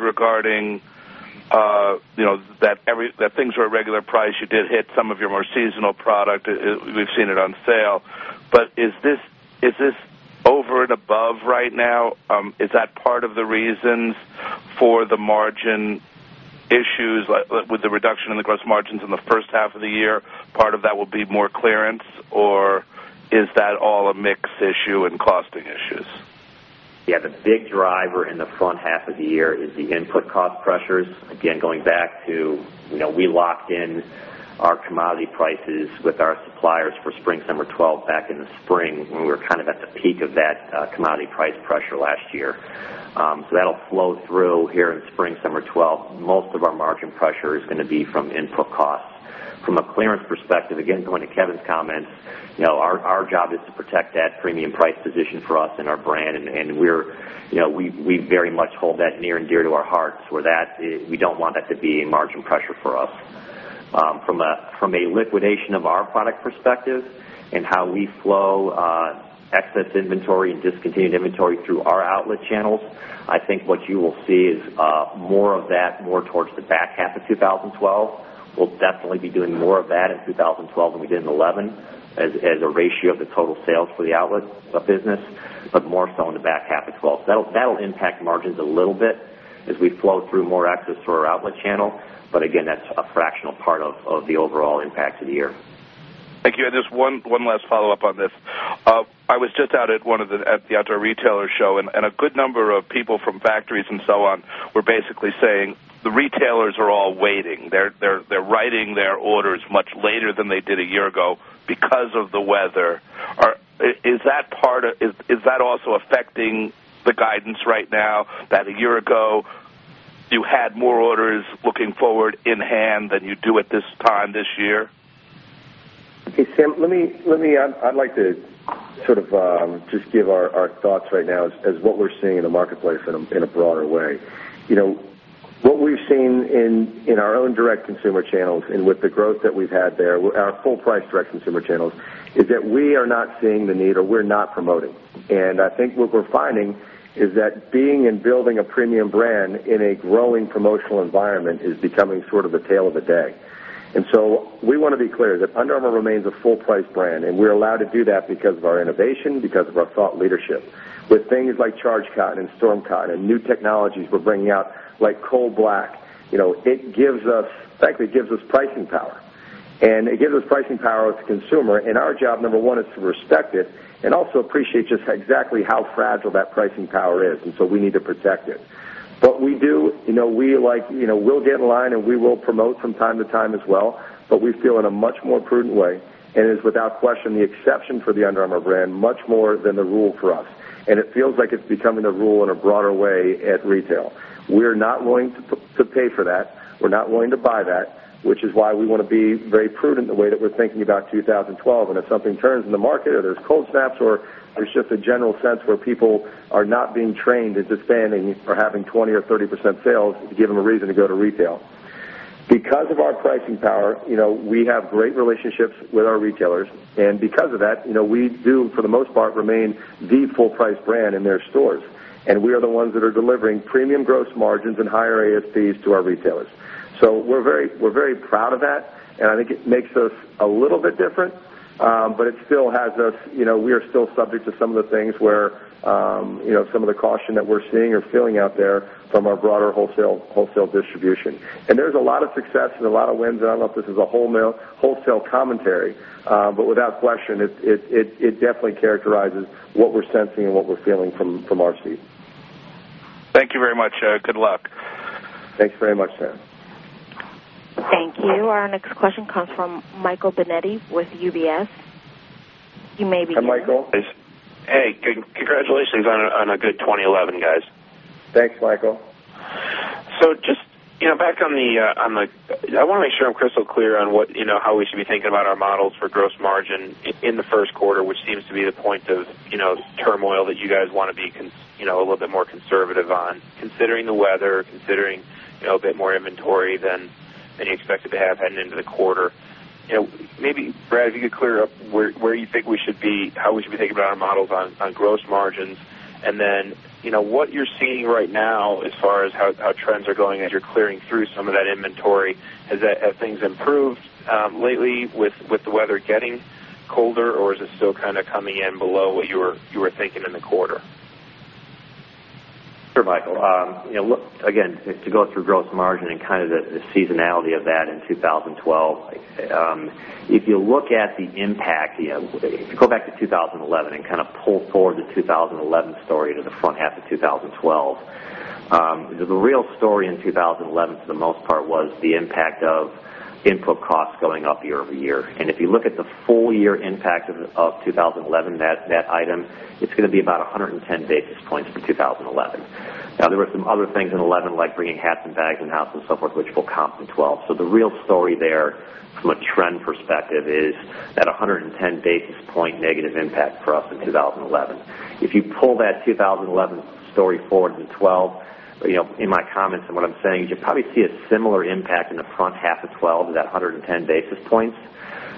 regarding that things were at regular price. You did hit some of your more seasonal product. We've seen it on sale. Is this over and above right now? Is that part of the reasons for the margin issues, like with the reduction in the gross margins in the first half of the year? Part of that will be more clearance, or is that all a mix issue and costing issues? Yeah. The big driver in the front half of the year is the input cost pressures. Again, going back to, you know, we locked in our commodity prices with our suppliers for spring, summer 2012 back in the spring when we were kind of at the peak of that commodity price pressure last year. That will flow through here in spring, summer 2012. Most of our margin pressure is going to be from input costs. From a clearance perspective, going to Kevin's comments, our job is to protect that premium price position for us and our brand. We very much hold that near and dear to our hearts where we do not want that to be a margin pressure for us. From a liquidation of our product perspective and how we flow excess inventory and discontinued inventory through our outlet channels, I think what you will see is more of that more towards the back half of 2012. We will definitely be doing more of that in 2012 than we did in 2011 as a ratio of the total sales for the outlet business, but more so in the back half of 2012. That will impact margins a little bit as we flow through more excess through our outlet channel. Again, that is a fractional part of the overall impact of the year. Thank you. Just one last follow-up on this. I was just out at the outdoor retailer show, and a good number of people from factories and so on were basically saying the retailers are all waiting. They're writing their orders much later than they did a year ago because of the weather. Is that also affecting the guidance right now, that a year ago you had more orders looking forward in hand than you do at this time this year? Okay. Sam, I'd like to sort of just give our thoughts right now as what we're seeing in the marketplace in a broader way. What we've seen in our own direct-to-consumer channels and with the growth that we've had there, our full-price direct-to-consumer channels, is that we are not seeing the need or we're not promoting. I think what we're finding is that being and building a premium brand in a growing promotional environment is becoming sort of the tale of the day. We want to be clear that Under Armour remains a full-price brand. We're allowed to do that because of our innovation, because of our thought leadership. With things like Charged Cotton and Storm and new technologies we're bringing out like Cold Black, it gives us, frankly, it gives us pricing power. It gives us pricing power with the consumer. Our job, number one, is to respect it and also appreciate just exactly how fragile that pricing power is. We need to protect it. We do, you know, we'll get in line and we will promote from time to time as well, but we feel in a much more prudent way and it is without question the exception for the Under Armour brand much more than the rule for us. It feels like it's becoming a rule in a broader way at retail. We're not willing to pay for that. We're not willing to buy that, which is why we want to be very prudent in the way that we're thinking about 2012. If something turns in the market or there's cold snaps or there's just a general sense where people are not being trained into staying in or having 20% or 30% sales, you give them a reason to go to retail. Because of our pricing power, we have great relationships with our retailers. Because of that, we do, for the most part, remain the full-price brand in their stores. We are the ones that are delivering premium gross margins and higher AFPs to our retailers. We're very proud of that, and I think it makes us a little bit different. It still has us, you know, we are still subject to some of the things where, you know, some of the caution that we're seeing or feeling out there from our broader wholesale distribution. There's a lot of success and a lot of wins. I don't know if this is a wholesale commentary, but without question, it definitely characterizes what we're sensing and what we're feeling from our seat. Thank you very much. Good luck. Thanks very much, Sam. Thank you. Our next question comes from Michael Benetti with UBS. You may begin. Hi, Michael. Hey, Congratulations on a good 2011, guys. Thanks, Michael. Just back on the, I want to make sure I'm crystal clear on how we should be thinking about our models for gross margin in the first quarter, which seems to be the point of turmoil that you guys want to be a little bit more conservative on, considering the weather, considering a bit more inventory than you expected to have heading into the quarter. Maybe, Brad, if you could clear up where you think we should be, how we should be thinking about our models on gross margins. Then, what you're seeing right now as far as how trends are going as you're clearing through some of that inventory. Have things improved lately with the weather getting colder, or is it still kind of coming in below what you were thinking in the quarter? Sure, Michael. Again, just to go through gross margin and the seasonality of that in 2012, if you look at the impact, if you go back to 2011 and pull forward the 2011 story to the front half of 2012, the real story in 2011, for the most part, was the impact of input costs going up year over year. If you look at the full-year impact of 2011, that item, it's going to be about 110 basis points for 2011. There were some other things in 2011 like bringing hats and bags and houses and so forth, which will comp in 2012. The real story there from a trend perspective is that 110 basis point negative impact for us in 2011. If you pull that 2011 story forward in 2012, in my comments and what I'm saying, you should probably see a similar impact in the front half of 2012 of that 110 basis points.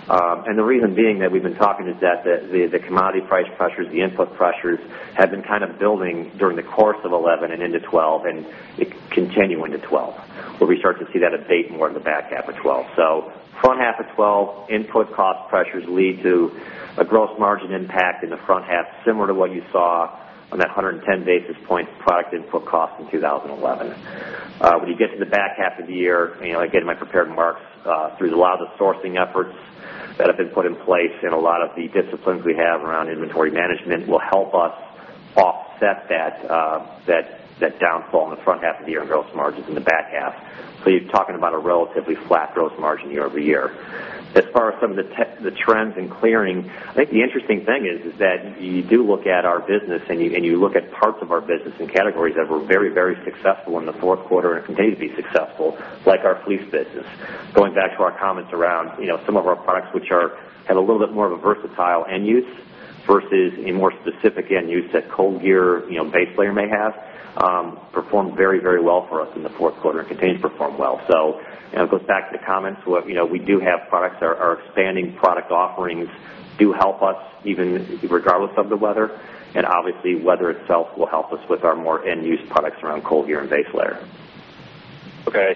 The reason being that we've been talking is that the commodity price pressures, the input pressures have been kind of building during the course of 2011 and into 2012 and continue into 2012, where we start to see that abate more in the back half of 2012. Front half of 2012, input cost pressures lead to a gross margin impact in the front half similar to what you saw on that 110 basis points product input cost in 2011. When you get to the back half of the year, again, my prepared remarks, through a lot of the sourcing efforts that have been put in place and a lot of the disciplines we have around inventory management will help us offset that downfall in the front half of the year in gross margins in the back half. You're talking about a relatively flat gross margin year over year. As far as some of the trends and clearing, the interesting thing is that you do look at our business and you look at parts of our business and categories that were very, very successful in the fourth quarter and continue to be successful, like our fleece business. Going back to our comments around some of our products which have a little bit more of a versatile end use versus a more specific end use that ColdGear base layer may have, performed very, very well for us in the fourth quarter and continued to perform well. It goes back to the comments where we do have products that are expanding. Product offerings do help us even regardless of the weather. Obviously, weather itself will help us with our more end-use products around ColdGear and base layer. Okay,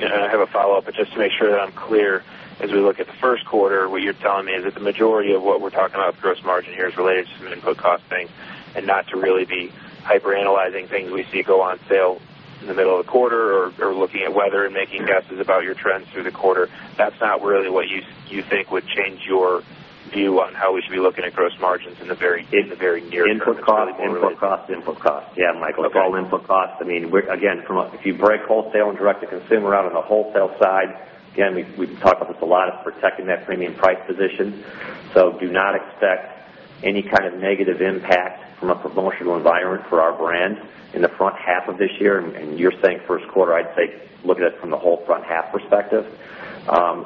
I have a follow-up. Just to make sure that I'm clear, as we look at the first quarter, what you're telling me is that the majority of what we're talking about gross margin here is related to input costing and not to really be hyperanalyzing things we see go on sale in the middle of the quarter or looking at weather and making guesses about your trends through the quarter. That's not really what you think would change your view on how we should be looking at gross margins in the very year. Input cost, input cost, input cost. Yeah, Michael. It's all input cost. I mean, again, if you break wholesale and direct-to-consumer out, on the wholesale side, that's a lot of protecting that premium price position. Do not expect any kind of negative impact from a promotional environment for our brand in the front half of this year. You're saying first quarter; I'd say look at it from the whole front half perspective.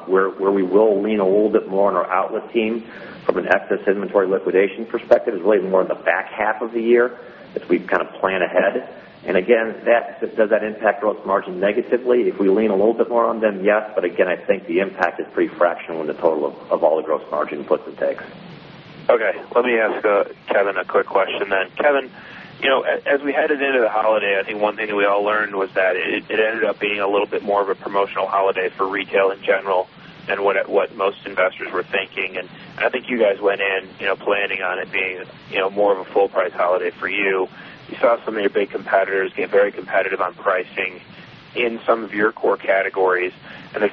Where we will lean a little bit more on our outlet team from an excess inventory liquidation perspective is really more in the back half of the year as we plan ahead. If this does impact gross margin negatively, if we lean a little bit more on them, yeah. I think the impact is pretty fractional in the total of all the gross margin puts and takes. Okay. Let me ask Kevin a quick question then. Kevin, you know, as we headed into the holiday, I think one thing that we all learned was that it ended up being a little bit more of a promotional holiday for retail in general than what most investors were thinking. I think you guys went in, you know, planning on it being a, you know, more of a full-price holiday for you. You saw some of your big competitors get very competitive on pricing in some of your core categories.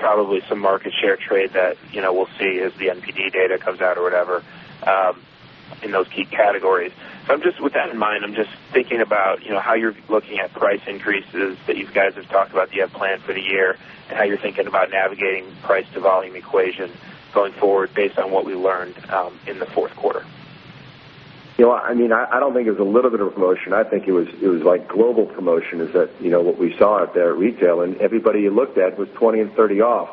Probably some market share trade that, you know, we'll see as the NPD data comes out or whatever, in those key categories. With that in mind, I'm just thinking about, you know, how you're looking at price increases that you guys have talked about that you have plans for the year and how you're thinking about navigating price-to-volume equation going forward based on what we learned in the fourth quarter. You know. I mean, I don't think it was a little bit of a promotion. I think it was like global promotion, is that, you know, what we saw out there at retail. Everybody you looked at was 20% and 30% off.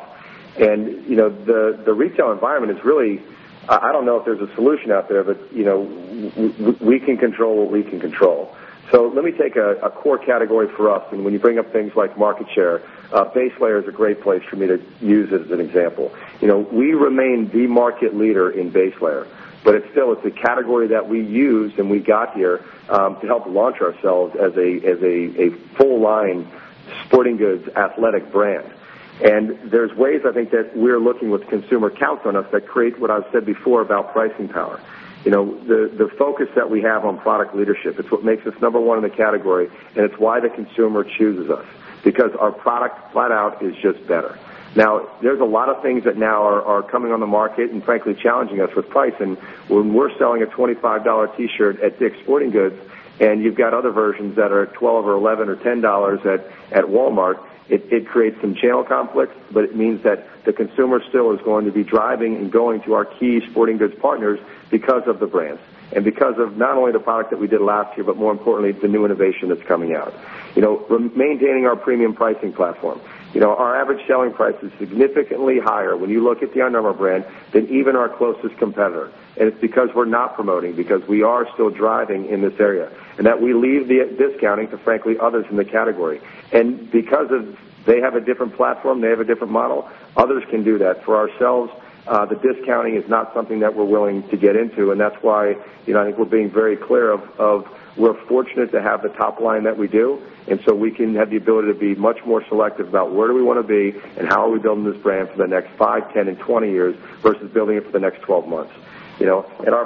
The retail environment is really, I don't know if there's a solution out there, but we can control what we can control. Let me take a core category for us. When you bring up things like market share, base layer is a great place for me to use as an example. We remain the market leader in base layer. It's still a category that we use and we got here to help launch ourselves as a full-line sporting goods athletic brand. There are ways I think that we're looking with consumer counts on us that create what I've said before about pricing power. The focus that we have on product leadership, it's what makes us number one in the category. It's why the consumer chooses us, because our product flat out is just better. Now, there are a lot of things that now are coming on the market and frankly challenging us with pricing. When we're selling a $25 T-shirt at DICK'S Sporting Goods and you've got other versions that are at $12 or $11 or $10 at Walmart, it creates some channel conflict, but it means that the consumer still is going to be driving and going to our key sporting goods partners because of the brand and because of not only the product that we did last year but more importantly, the new innovation that's coming out. Maintaining our premium pricing platform, our average selling price is significantly higher when you look at the Under Armour brand than even our closest competitor. It's because we're not promoting, because we are still driving in this area, and that we leave the discounting to frankly others in the category. Because they have a different platform, they have a different model, others can do that. For ourselves, the discounting is not something that we're willing to get into. That's why I think we're being very clear of we're fortunate to have the top line that we do. We can have the ability to be much more selective about where do we want to be and how are we building this brand for the next 5, 10, and 20 years versus building it for the next 12 months.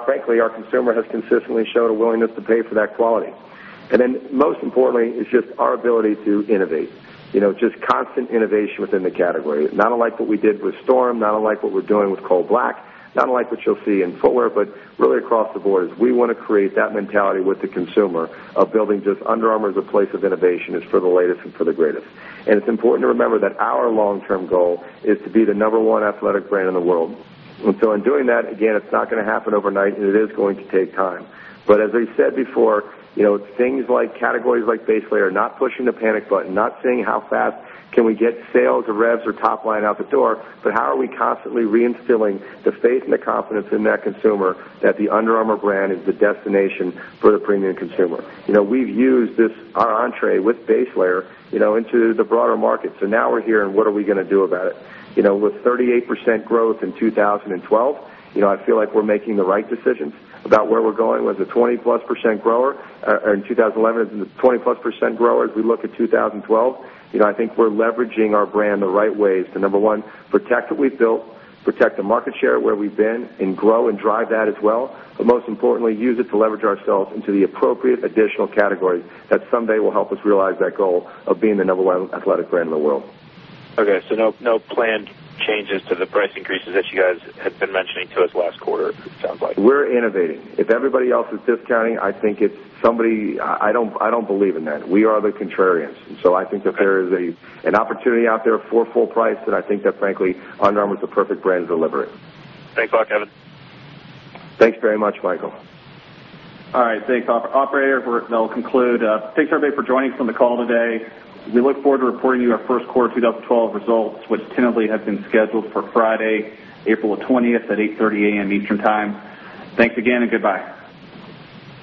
Frankly, our consumer has consistently shown a willingness to pay for that quality. Most importantly, it's just our ability to innovate. You know, just constant innovation within the category, not unlike what we did with Storm, not unlike what we're doing with Cold Black, not unlike what you'll see in Fuller. Really, across the board, we want to create that mentality with the consumer of building just Under Armour as a place of innovation for the latest and for the greatest. It's important to remember that our long-term goal is to be the number one athletic brand in the world. In doing that, again, it's not going to happen overnight. It is going to take time. As I said before, things like categories like base layer are not pushing the panic button, not saying how fast can we get sales or revs or top line out the door, but how are we constantly reinstilling the faith and the confidence in that consumer that the Under Armour brand is the destination for the premium consumer. We've used this, our entree with base layer, into the broader market. Now we're hearing what are we going to do about it. With 38% growth in 2012, I feel like we're making the right decisions about where we're going with a 20+% grower. In 2011, it was a 20+% grower as we look at 2012. I think we're leveraging our brand the right ways to, number one, protect what we've built, protect the market share where we've been, and grow and drive that as well. Most importantly, use it to leverage ourselves into the appropriate additional category that someday will help us realize that goal of being the number one athletic brand in the world. Okay. No planned changes to the price increases that you guys had been mentioning to us last quarter, it sounds like. We're innovating. If everybody else is discounting, I think it's somebody I don't believe in that. We are the contrarians. If there is an opportunity out there for full price, then I think that frankly, Under Armour is the perfect brand to deliver it. Thanks a lot, Kevin. Thanks very much, Michael. All right. Thanks, operator. We'll conclude. Thanks, everybody, for joining us on the call today. We look forward to reporting you our first quarter of 2012 results, which tentatively have been scheduled for Friday, April 20 at 8:30 A.M. Eastern Time. Thanks again and goodbye.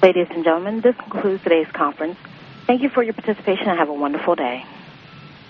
Ladies and gentlemen, this concludes today's conference. Thank you for your participation and have a wonderful day.